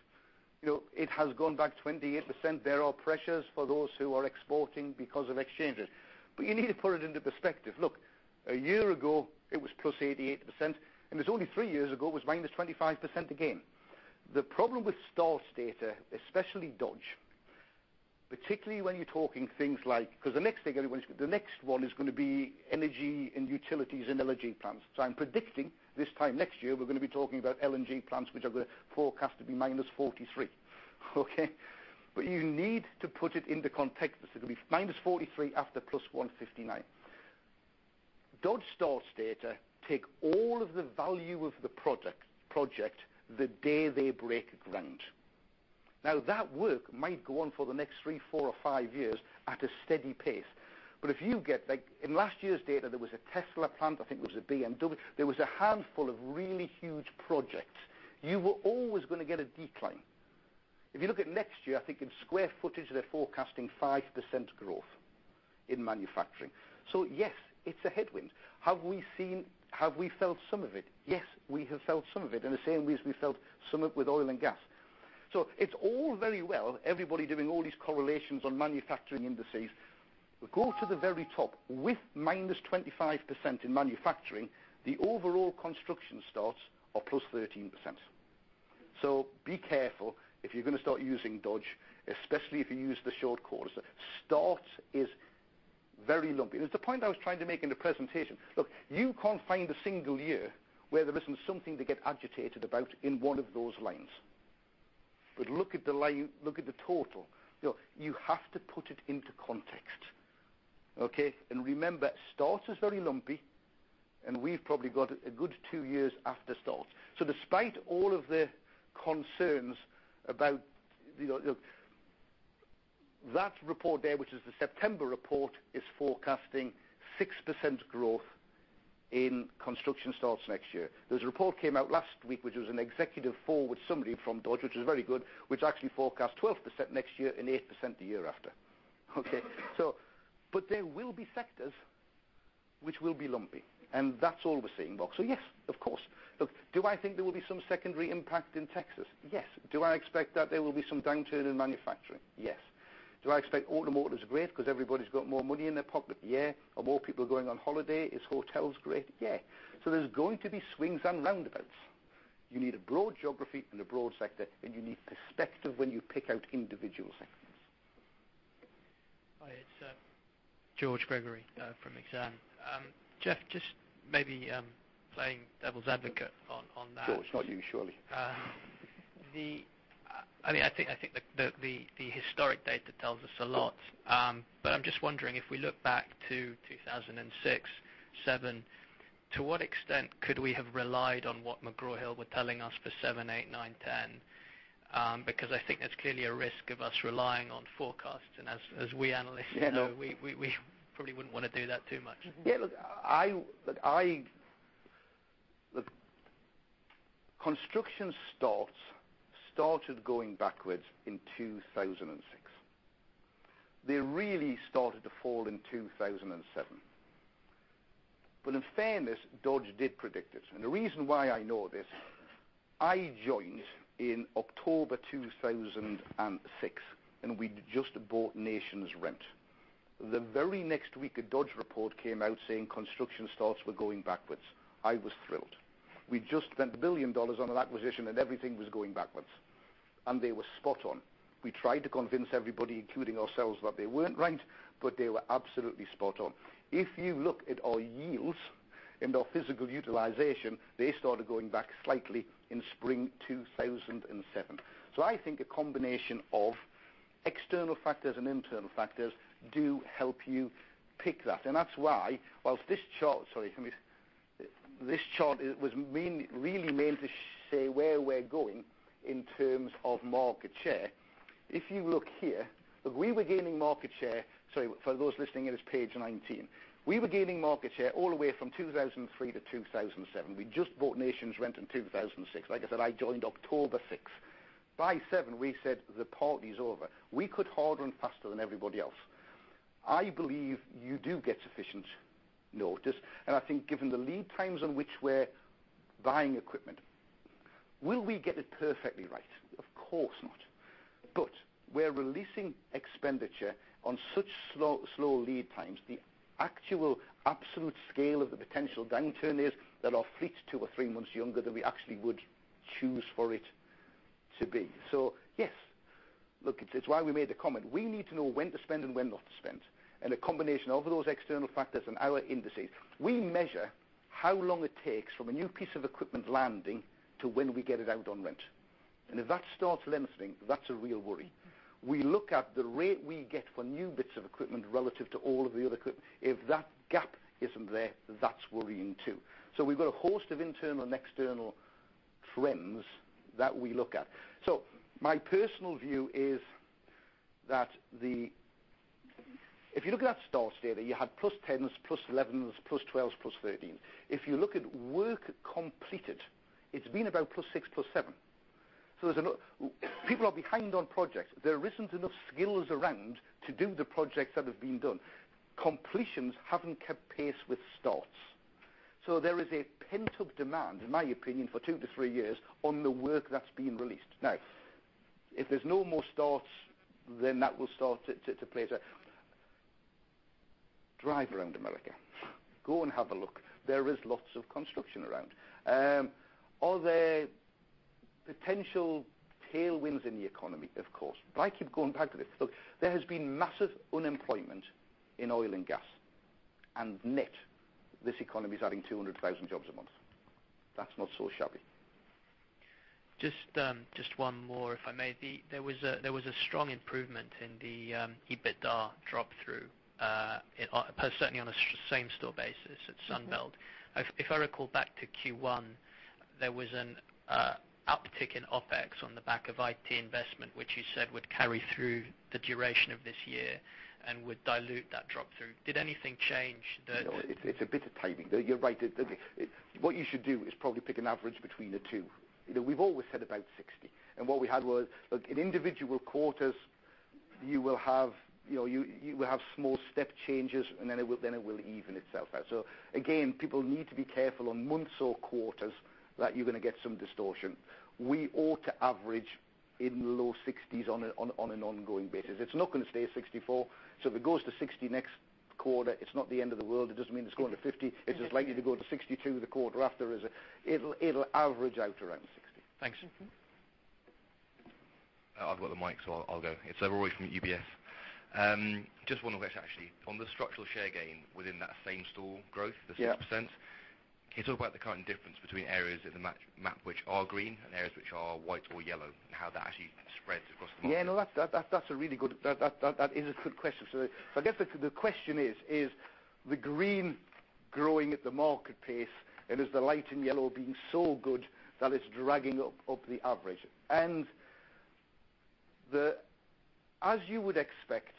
Speaker 1: It has gone back 28%. There are pressures for those who are exporting because of exchanges. You need to put it into perspective. Look, a year ago, it was +88%, and it's only three years ago, it was -25% again. The problem with starts data, especially Dodge, particularly when you're talking things like because the next one is going to be energy and utilities and LNG plants. I'm predicting this time next year, we're going to be talking about LNG plants, which are forecast to be -43. Okay? You need to put it into context. It's going to be -43 after +159. Dodge starts data take all of the value of the project the day they break ground. Now, that work might go on for the next three, four or five years at a steady pace. If you get, like in last year's data, there was a Tesla plant, I think it was a BMW. There was a handful of really huge projects. You were always going to get a decline. If you look at next year, I think in square footage, they're forecasting 5% growth in manufacturing. Yes, it's a headwind. Have we felt some of it? Yes, we have felt some of it, in the same way as we felt some of it with oil and gas. It's all very well, everybody doing all these correlations on manufacturing indices. Go to the very top with -25% in manufacturing, the overall construction starts are +13%. Be careful if you're going to start using Dodge, especially if you use the short course. Starts is very lumpy. It's the point I was trying to make in the presentation. Look, you can't find a single year where there isn't something to get agitated about in one of those lines. Look at the total. You have to put it into context. Okay? Remember, starts is very lumpy, and we've probably got a good two years after start. Despite all of the concerns about that report there, which is the September report, is forecasting 6% growth in construction starts next year. There was a report came out last week, which was an executive forward summary from Dodge, which was very good, which actually forecast 12% next year and 8% the year after. Okay? There will be sectors which will be lumpy, and that's all we're saying, Buck. Yes, of course. Look, do I think there will be some secondary impact in Texas? Yes. Do I expect that there will be some downturn in manufacturing? Yes. Do I expect automotive is great because everybody's got more money in their pocket? Yeah. Are more people going on holiday? Is hotels great? Yeah. There's going to be swings and roundabouts. You need a broad geography and a broad sector, and you need perspective when you pick out individual sectors.
Speaker 8: Hi, it's George Gregory from Exane. Geoff, just maybe playing devil's advocate on that.
Speaker 1: George, not you surely.
Speaker 8: I think the historic data tells us a lot. I'm just wondering, if we look back to 2006, 2007, to what extent could we have relied on what McGraw Hill were telling us for 2007, 2008, 2009, 2010? I think there's clearly a risk of us relying on forecasts. As we analysts know, we probably wouldn't want to do that too much.
Speaker 1: Look, construction starts started going backwards in 2006. They really started to fall in 2007. In fairness, Dodge did predict it. The reason why I know this, I joined in October 2006, and we'd just bought NationsRent. The very next week, a Dodge report came out saying construction starts were going backwards. I was thrilled. We just spent GBP 1 billion on an acquisition, and everything was going backwards. They were spot on. We tried to convince everybody, including ourselves, that they weren't right, but they were absolutely spot on. If you look at our yields and our physical utilization, they started going back slightly in spring 2007. I think a combination of external factors and internal factors do help you pick that. That's why this chart was really meant to say where we're going in terms of market share. If you look here, look, we were gaining market share. Sorry, for those listening, it is page 19. We were gaining market share all the way from 2003 to 2007. We just bought NationsRent in 2006. Like I said, I joined October 2006. By 2007, we said the party's over. We could harder and faster than everybody else. I believe you do get sufficient notice, I think given the lead times on which we're buying equipment. Will we get it perfectly right? Of course not. We're releasing expenditure on such slow lead times. The actual absolute scale of the potential downturn is that our fleet's two or three months younger than we actually would choose for it to be. Yes. Look, it's why we made the comment. We need to know when to spend and when not to spend. A combination of those external factors and our indices. We measure how long it takes from a new piece of equipment landing to when we get it out on rent. If that starts limiting, that's a real worry. We look at the rate we get for new bits of equipment relative to all of the other equipment. If that gap isn't there, that's worrying, too. We've got a host of internal and external trends that we look at. My personal view is that if you look at that starts data, you had plus 10s, plus 11s, plus 12s, plus 13. If you look at work completed, it's been about plus six, plus seven. People are behind on projects. There isn't enough skills around to do the projects that have been done. Completions haven't kept pace with starts. There is a pent-up demand, in my opinion, for two to three years on the work that's being released. Now, if there's no more starts, that will start to play out. Drive around America. Go and have a look. There is lots of construction around. Are there potential tailwinds in the economy? Of course. I keep going back to this. Look, there has been massive unemployment in oil and gas, net, this economy is adding 200,000 jobs a month. That's not so shabby.
Speaker 8: Just one more, if I may. There was a strong improvement in the EBITDA drop-through, certainly on a same-store basis at Sunbelt. If I recall back to Q1, there was an uptick in OpEx on the back of IT investment, which you said would carry through the duration of this year and would dilute that drop-through. Did anything change that?
Speaker 1: No, it's a bit of timing. You're right. What you should do is probably pick an average between the two. We've always said about 60. What we had was, look, in individual quarters, you will have small step changes and then it will even itself out. Again, people need to be careful on months or quarters that you're going to get some distortion. We ought to average in the low 60s on an ongoing basis. It's not going to stay at 64. If it goes to 60 next quarter, it's not the end of the world. It doesn't mean it's going to 50. It's as likely to go to 62 the quarter after. It'll average out around 60.
Speaker 8: Thanks.
Speaker 9: I've got the mic, I'll go. It's Aubrey from UBS. Just one question, actually. On the structural share gain within that same-store growth, the 6%
Speaker 1: Yeah
Speaker 9: Can you talk about the current difference between areas of the map which are green and areas which are white or yellow, and how that actually spreads across the market?
Speaker 1: Yeah, no, that is a good question. I guess the question is the green growing at the market pace and is the light and yellow being so good that it's dragging up the average? As you would expect,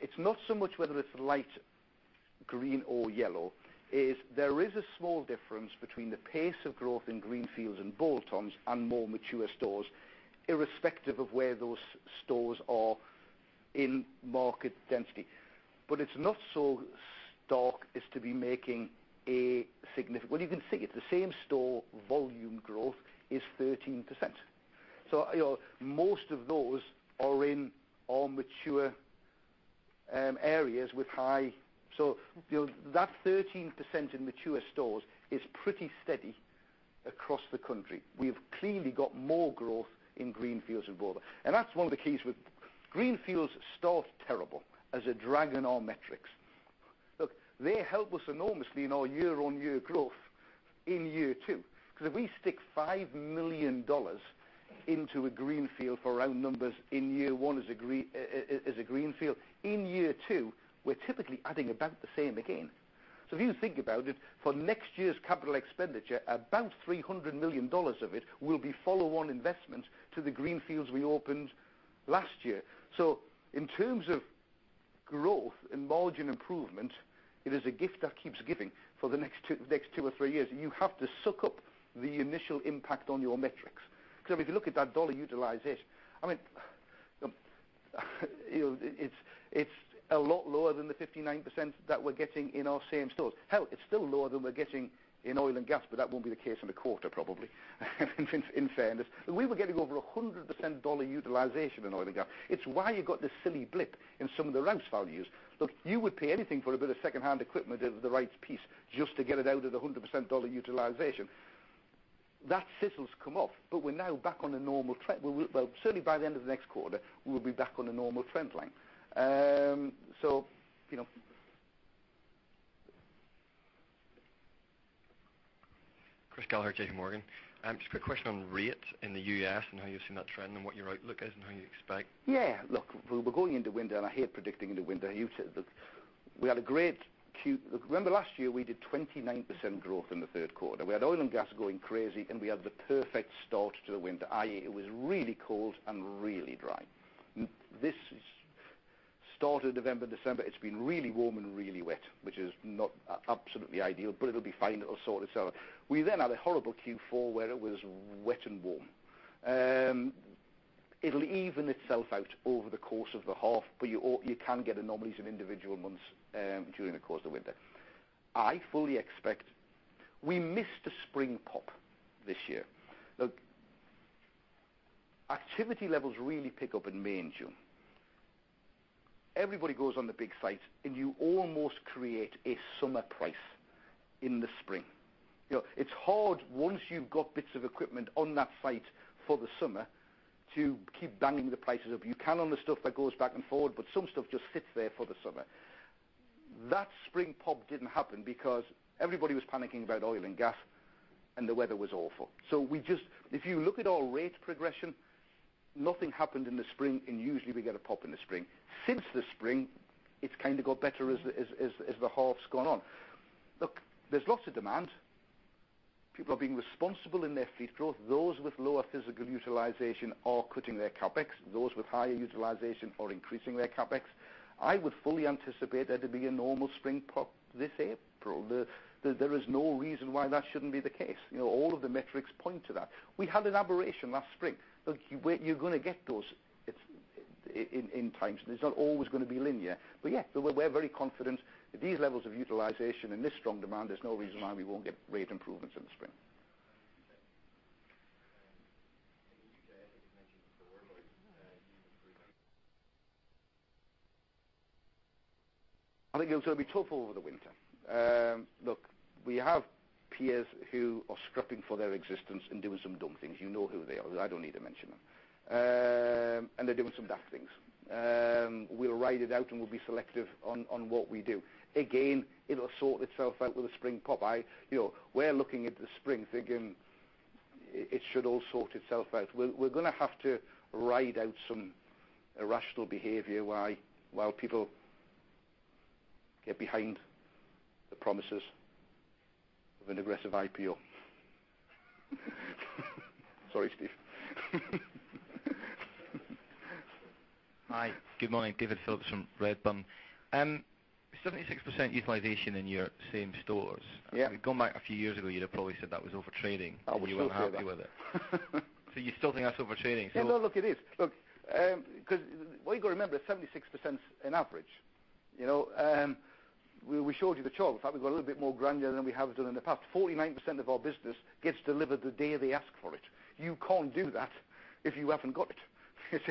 Speaker 1: it's not so much whether it's light green or yellow. There is a small difference between the pace of growth in greenfields and bolt-ons and more mature stores, irrespective of where those stores are in market density. It's not so stark as to be making a significant. Well, you can see it. The same-store volume growth is 13%. Most of those are in our mature areas. That 13% in mature stores is pretty steady across the country. We have clearly got more growth in greenfields and bolt-ons. That's one of the keys. Greenfields start terrible as a drag on our metrics. Look, they help us enormously in our year-on-year growth in year two, because if we stick $5 million into a greenfield, for round numbers, in year one as a greenfield, in year two, we're typically adding about the same again. If you think about it, for next year's capital expenditure, about $300 million of it will be follow-on investment to the greenfields we opened last year. In terms of growth and margin improvement, it is a gift that keeps giving for the next two or three years. You have to soak up the initial impact on your metrics. If you look at that dollar utilization, it's a lot lower than the 59% that we're getting in our same stores. Hell, it's still lower than we're getting in oil and gas, that won't be the case in a quarter probably, in fairness. We were getting over 100% dollar utilization in oil and gas. It's why you got this silly blip in some of the rents values. Look, you would pay anything for a bit of secondhand equipment of the right piece just to get it out of the 100% dollar utilization. That sizzle's come off, we're now back on a normal trend. Well, certainly by the end of next quarter, we'll be back on a normal trend line.
Speaker 10: Chris Gallagher, J.P. Morgan. Just a quick question on rate in the U.S. and how you've seen that trend and what your outlook is and how you expect.
Speaker 1: Yeah. Look, we're going into winter. I hate predicting in the winter. Remember last year, we did 29% growth in the third quarter. We had oil and gas going crazy, and we had the perfect start to the winter, i.e., it was really cold and really dry. This start of November, December, it's been really warm and really wet, which is not absolutely ideal, but it'll be fine. It'll sort itself. We had a horrible Q4 where it was wet and warm. It'll even itself out over the course of the half, but you can get anomalies in individual months during the course of the winter. We missed a spring pop this year. Look, activity levels really pick up in May and June. Everybody goes on the big sites, and you almost create a summer price in the spring. It's hard once you've got bits of equipment on that site for the summer to keep banging the prices up. You can on the stuff that goes back and forward, but some stuff just sits there for the summer. That spring pop didn't happen because everybody was panicking about oil and gas, and the weather was awful. If you look at our rate progression, nothing happened in the spring, and usually we get a pop in the spring. Since the spring, it's kind of got better as the half's gone on. Look, there's lots of demand. People are being responsible in their fleet growth. Those with lower physical utilization are cutting their CapEx. Those with higher utilization are increasing their CapEx. I would fully anticipate there to be a normal spring pop this April. There is no reason why that shouldn't be the case. All of the metrics point to that. We had an aberration last spring. Look, you're going to get those in times, and it's not always going to be linear. Yeah, we're very confident at these levels of utilization and this strong demand, there's no reason why we won't get rate improvements in the spring. U.K., I think you mentioned before, but I think it's going to be tough over the winter. Look, we have peers who are scrapping for their existence and doing some dumb things. You know who they are. I don't need to mention them. They're doing some daft things. We'll ride it out, and we'll be selective on what we do. Again, it'll sort itself out with a spring pop. We're looking at the spring thinking it should all sort itself out. We're going to have to ride out some irrational behavior while people get behind the promises of an aggressive IPO. Sorry, Steve.
Speaker 11: Hi, good morning. David Phillips from Redburn. 76% utilization in your same stores.
Speaker 1: Yeah.
Speaker 11: Going back a few years ago, you'd have probably said that was over-trading.
Speaker 1: I would still say that. You weren't happy with it. You still think that's over-trading. Yeah. No, look, it is. Look, what you got to remember, 76% is an average. We showed you the chart. In fact, we got a little bit more granular than we have done in the past. 49% of our business gets delivered the day they ask for it. You can't do that if you haven't got it.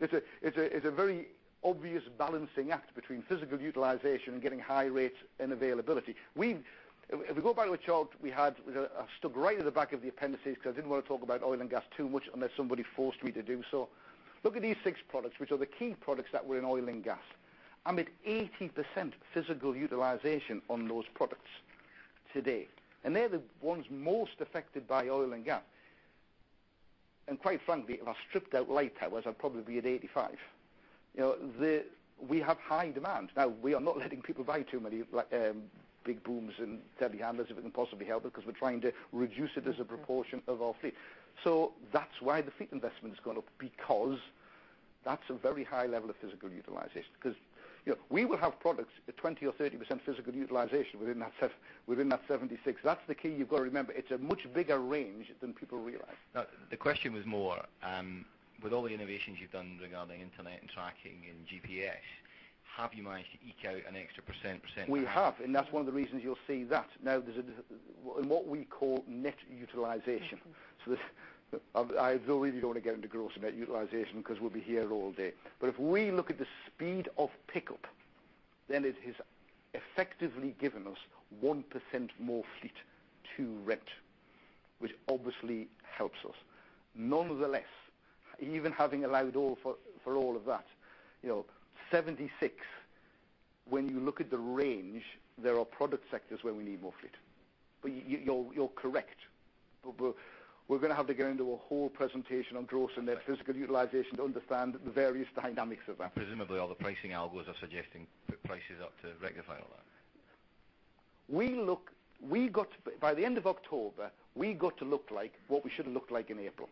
Speaker 1: It's a very obvious balancing act between physical utilization and getting high rates and availability. If we go back to a chart we had, I stuck right at the back of the appendices because I didn't want to talk about oil and gas too much unless somebody forced me to do so. Look at these six products, which are the key products that were in oil and gas. I'm at 80% physical utilization on those products today, and they're the ones most affected by oil and gas. Quite frankly, if I stripped out light towers, I'd probably be at 85%. We have high demand. Now, we are not letting people buy too many big booms and telehandlers if we can possibly help it because we're trying to reduce it as a proportion of our fleet. That's why the fleet investment has gone up, because that's a very high level of physical utilization. We will have products at 20% or 30% physical utilization within that 76%. That's the key. You've got to remember, it's a much bigger range than people realize.
Speaker 11: Now, the question was more, with all the innovations you've done regarding internet and tracking and GPS, have you managed to eke out an extra %?
Speaker 1: We have, and that's one of the reasons you'll see that. There's what we call net utilization. I really don't want to get into gross net utilization because we'll be here all day. If we look at the speed of pickup, then it has effectively given us 1% more fleet to rent, which obviously helps us. Nonetheless, even having allowed for all of that, 76, when you look at the range, there are product sectors where we need more fleet. You're correct. We're going to have to go into a whole presentation on gross and net physical utilization to understand the various dynamics of that.
Speaker 11: Presumably all the pricing algorithms are suggesting put prices up to rectify all that.
Speaker 1: By the end of October, we got to look like what we should have looked like in April.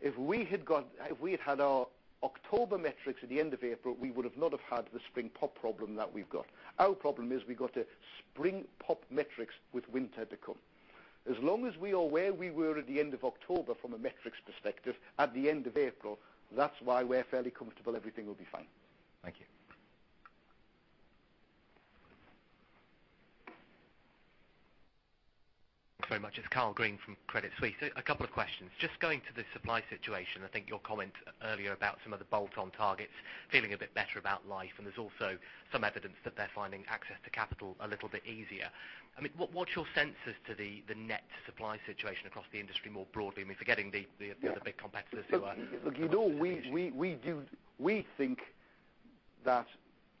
Speaker 1: If we had had our October metrics at the end of April, we would not have had the spring pop problem that we've got. Our problem is we got the spring pop metrics with winter to come. As long as we are where we were at the end of October from a metrics perspective at the end of April, that's why we're fairly comfortable everything will be fine.
Speaker 11: Thank you.
Speaker 12: Thanks very much. It's Karl Green from Credit Suisse. A couple of questions. Just going to the supply situation, I think your comment earlier about some of the bolt-on targets feeling a bit better about life, and there's also some evidence that they're finding access to capital a little bit easier. What's your sense as to the net supply situation across the industry more broadly, forgetting the other big competitors who are-
Speaker 1: Look, we think that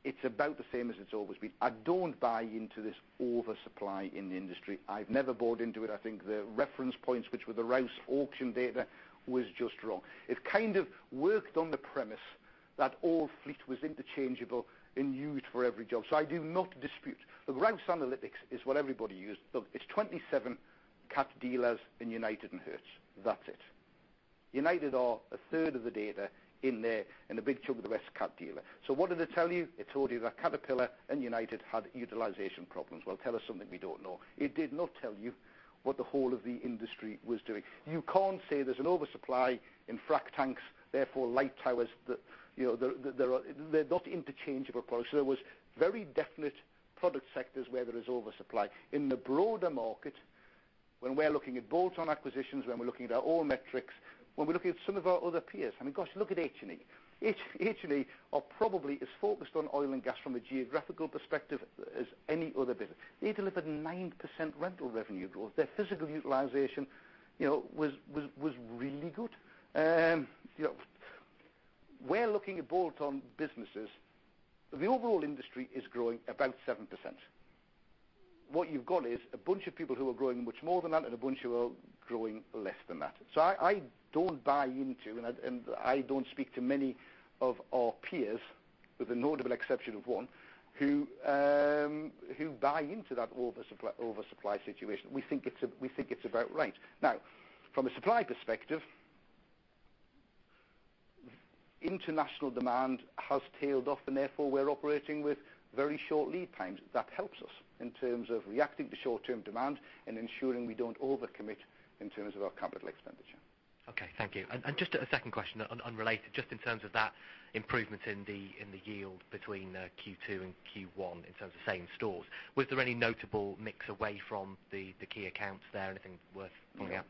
Speaker 1: it's about the same as it's always been. I don't buy into this oversupply in the industry. I've never bought into it. I think the reference points, which were the Rouse auction data, was just wrong. It kind of worked on the premise that all fleet was interchangeable and used for every job. I do not dispute. The Rouse Analytics is what everybody used. Look, it's 27 Cat dealers and United and Hertz. That's it. United are a third of the data in there, and a big chunk of the rest, Cat dealer. What did it tell you? It told you that Caterpillar and United had utilization problems. Well, tell us something we don't know. It did not tell you what the whole of the industry was doing. You can't say there's an oversupply in frack tanks, therefore light towers. They're not interchangeable products. There was very definite product sectors where there is oversupply. In the broader market, when we're looking at bolt-on acquisitions, when we're looking at our all metrics, when we're looking at some of our other peers, I mean, gosh, look at H&E. H&E are probably as focused on oil and gas from a geographical perspective as any other business. They delivered 9% rental revenue growth. Their physical utilization was really good. We're looking at bolt-on businesses. The overall industry is growing about 7%. What you've got is a bunch of people who are growing much more than that and a bunch who are growing less than that. I don't buy into, and I don't speak to many of our peers, with the notable exception of one, who buy into that oversupply situation. We think it's about right. From a supply perspective, international demand has tailed off, and therefore we're operating with very short lead times. That helps us in terms of reacting to short-term demand and ensuring we don't overcommit in terms of our capital expenditure.
Speaker 12: Just a second question, unrelated, just in terms of that improvement in the yield between Q2 and Q1 in terms of same stores. Was there any notable mix away from the key accounts there? Anything worth pointing out?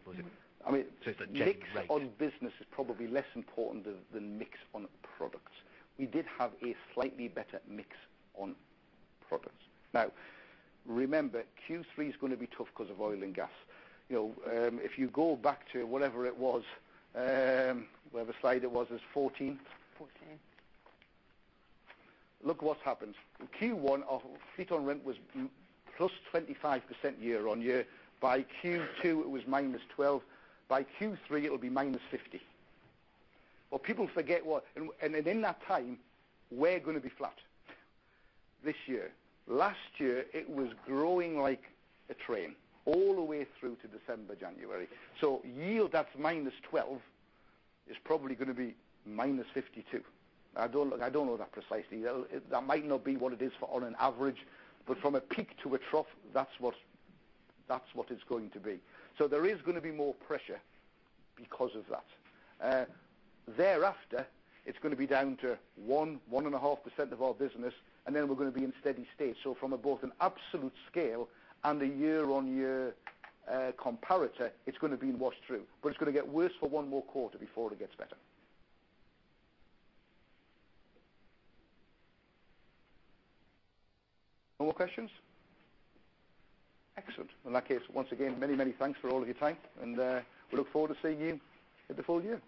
Speaker 1: Mix on business is probably less important than mix on products. We did have a slightly better mix on products. Remember, Q3 is going to be tough because of oil and gas. If you go back to whatever it was, whatever slide it was, it was 14?
Speaker 11: 14.
Speaker 1: Look what happens. In Q1, our fleet on rent was +25% year-on-year. By Q2, it was -12%. By Q3, it will be -50%. In that time, we're going to be flat this year. Last year, it was growing like a train all the way through to December, January. Yield that's -12% is probably going to be -52%. I don't know that precisely. That might not be what it is on an average, but from a peak to a trough, that's what it's going to be. There is going to be more pressure because of that. Thereafter, it's going to be down to 1%, 1.5% of our business, and then we're going to be in steady state. From both an absolute scale and a year-on-year comparator, it's going to be washed through. It's going to get worse for one more quarter before it gets better. No more questions? Excellent. In that case, once again, many, many thanks for all of your time, and we look forward to seeing you at the full year.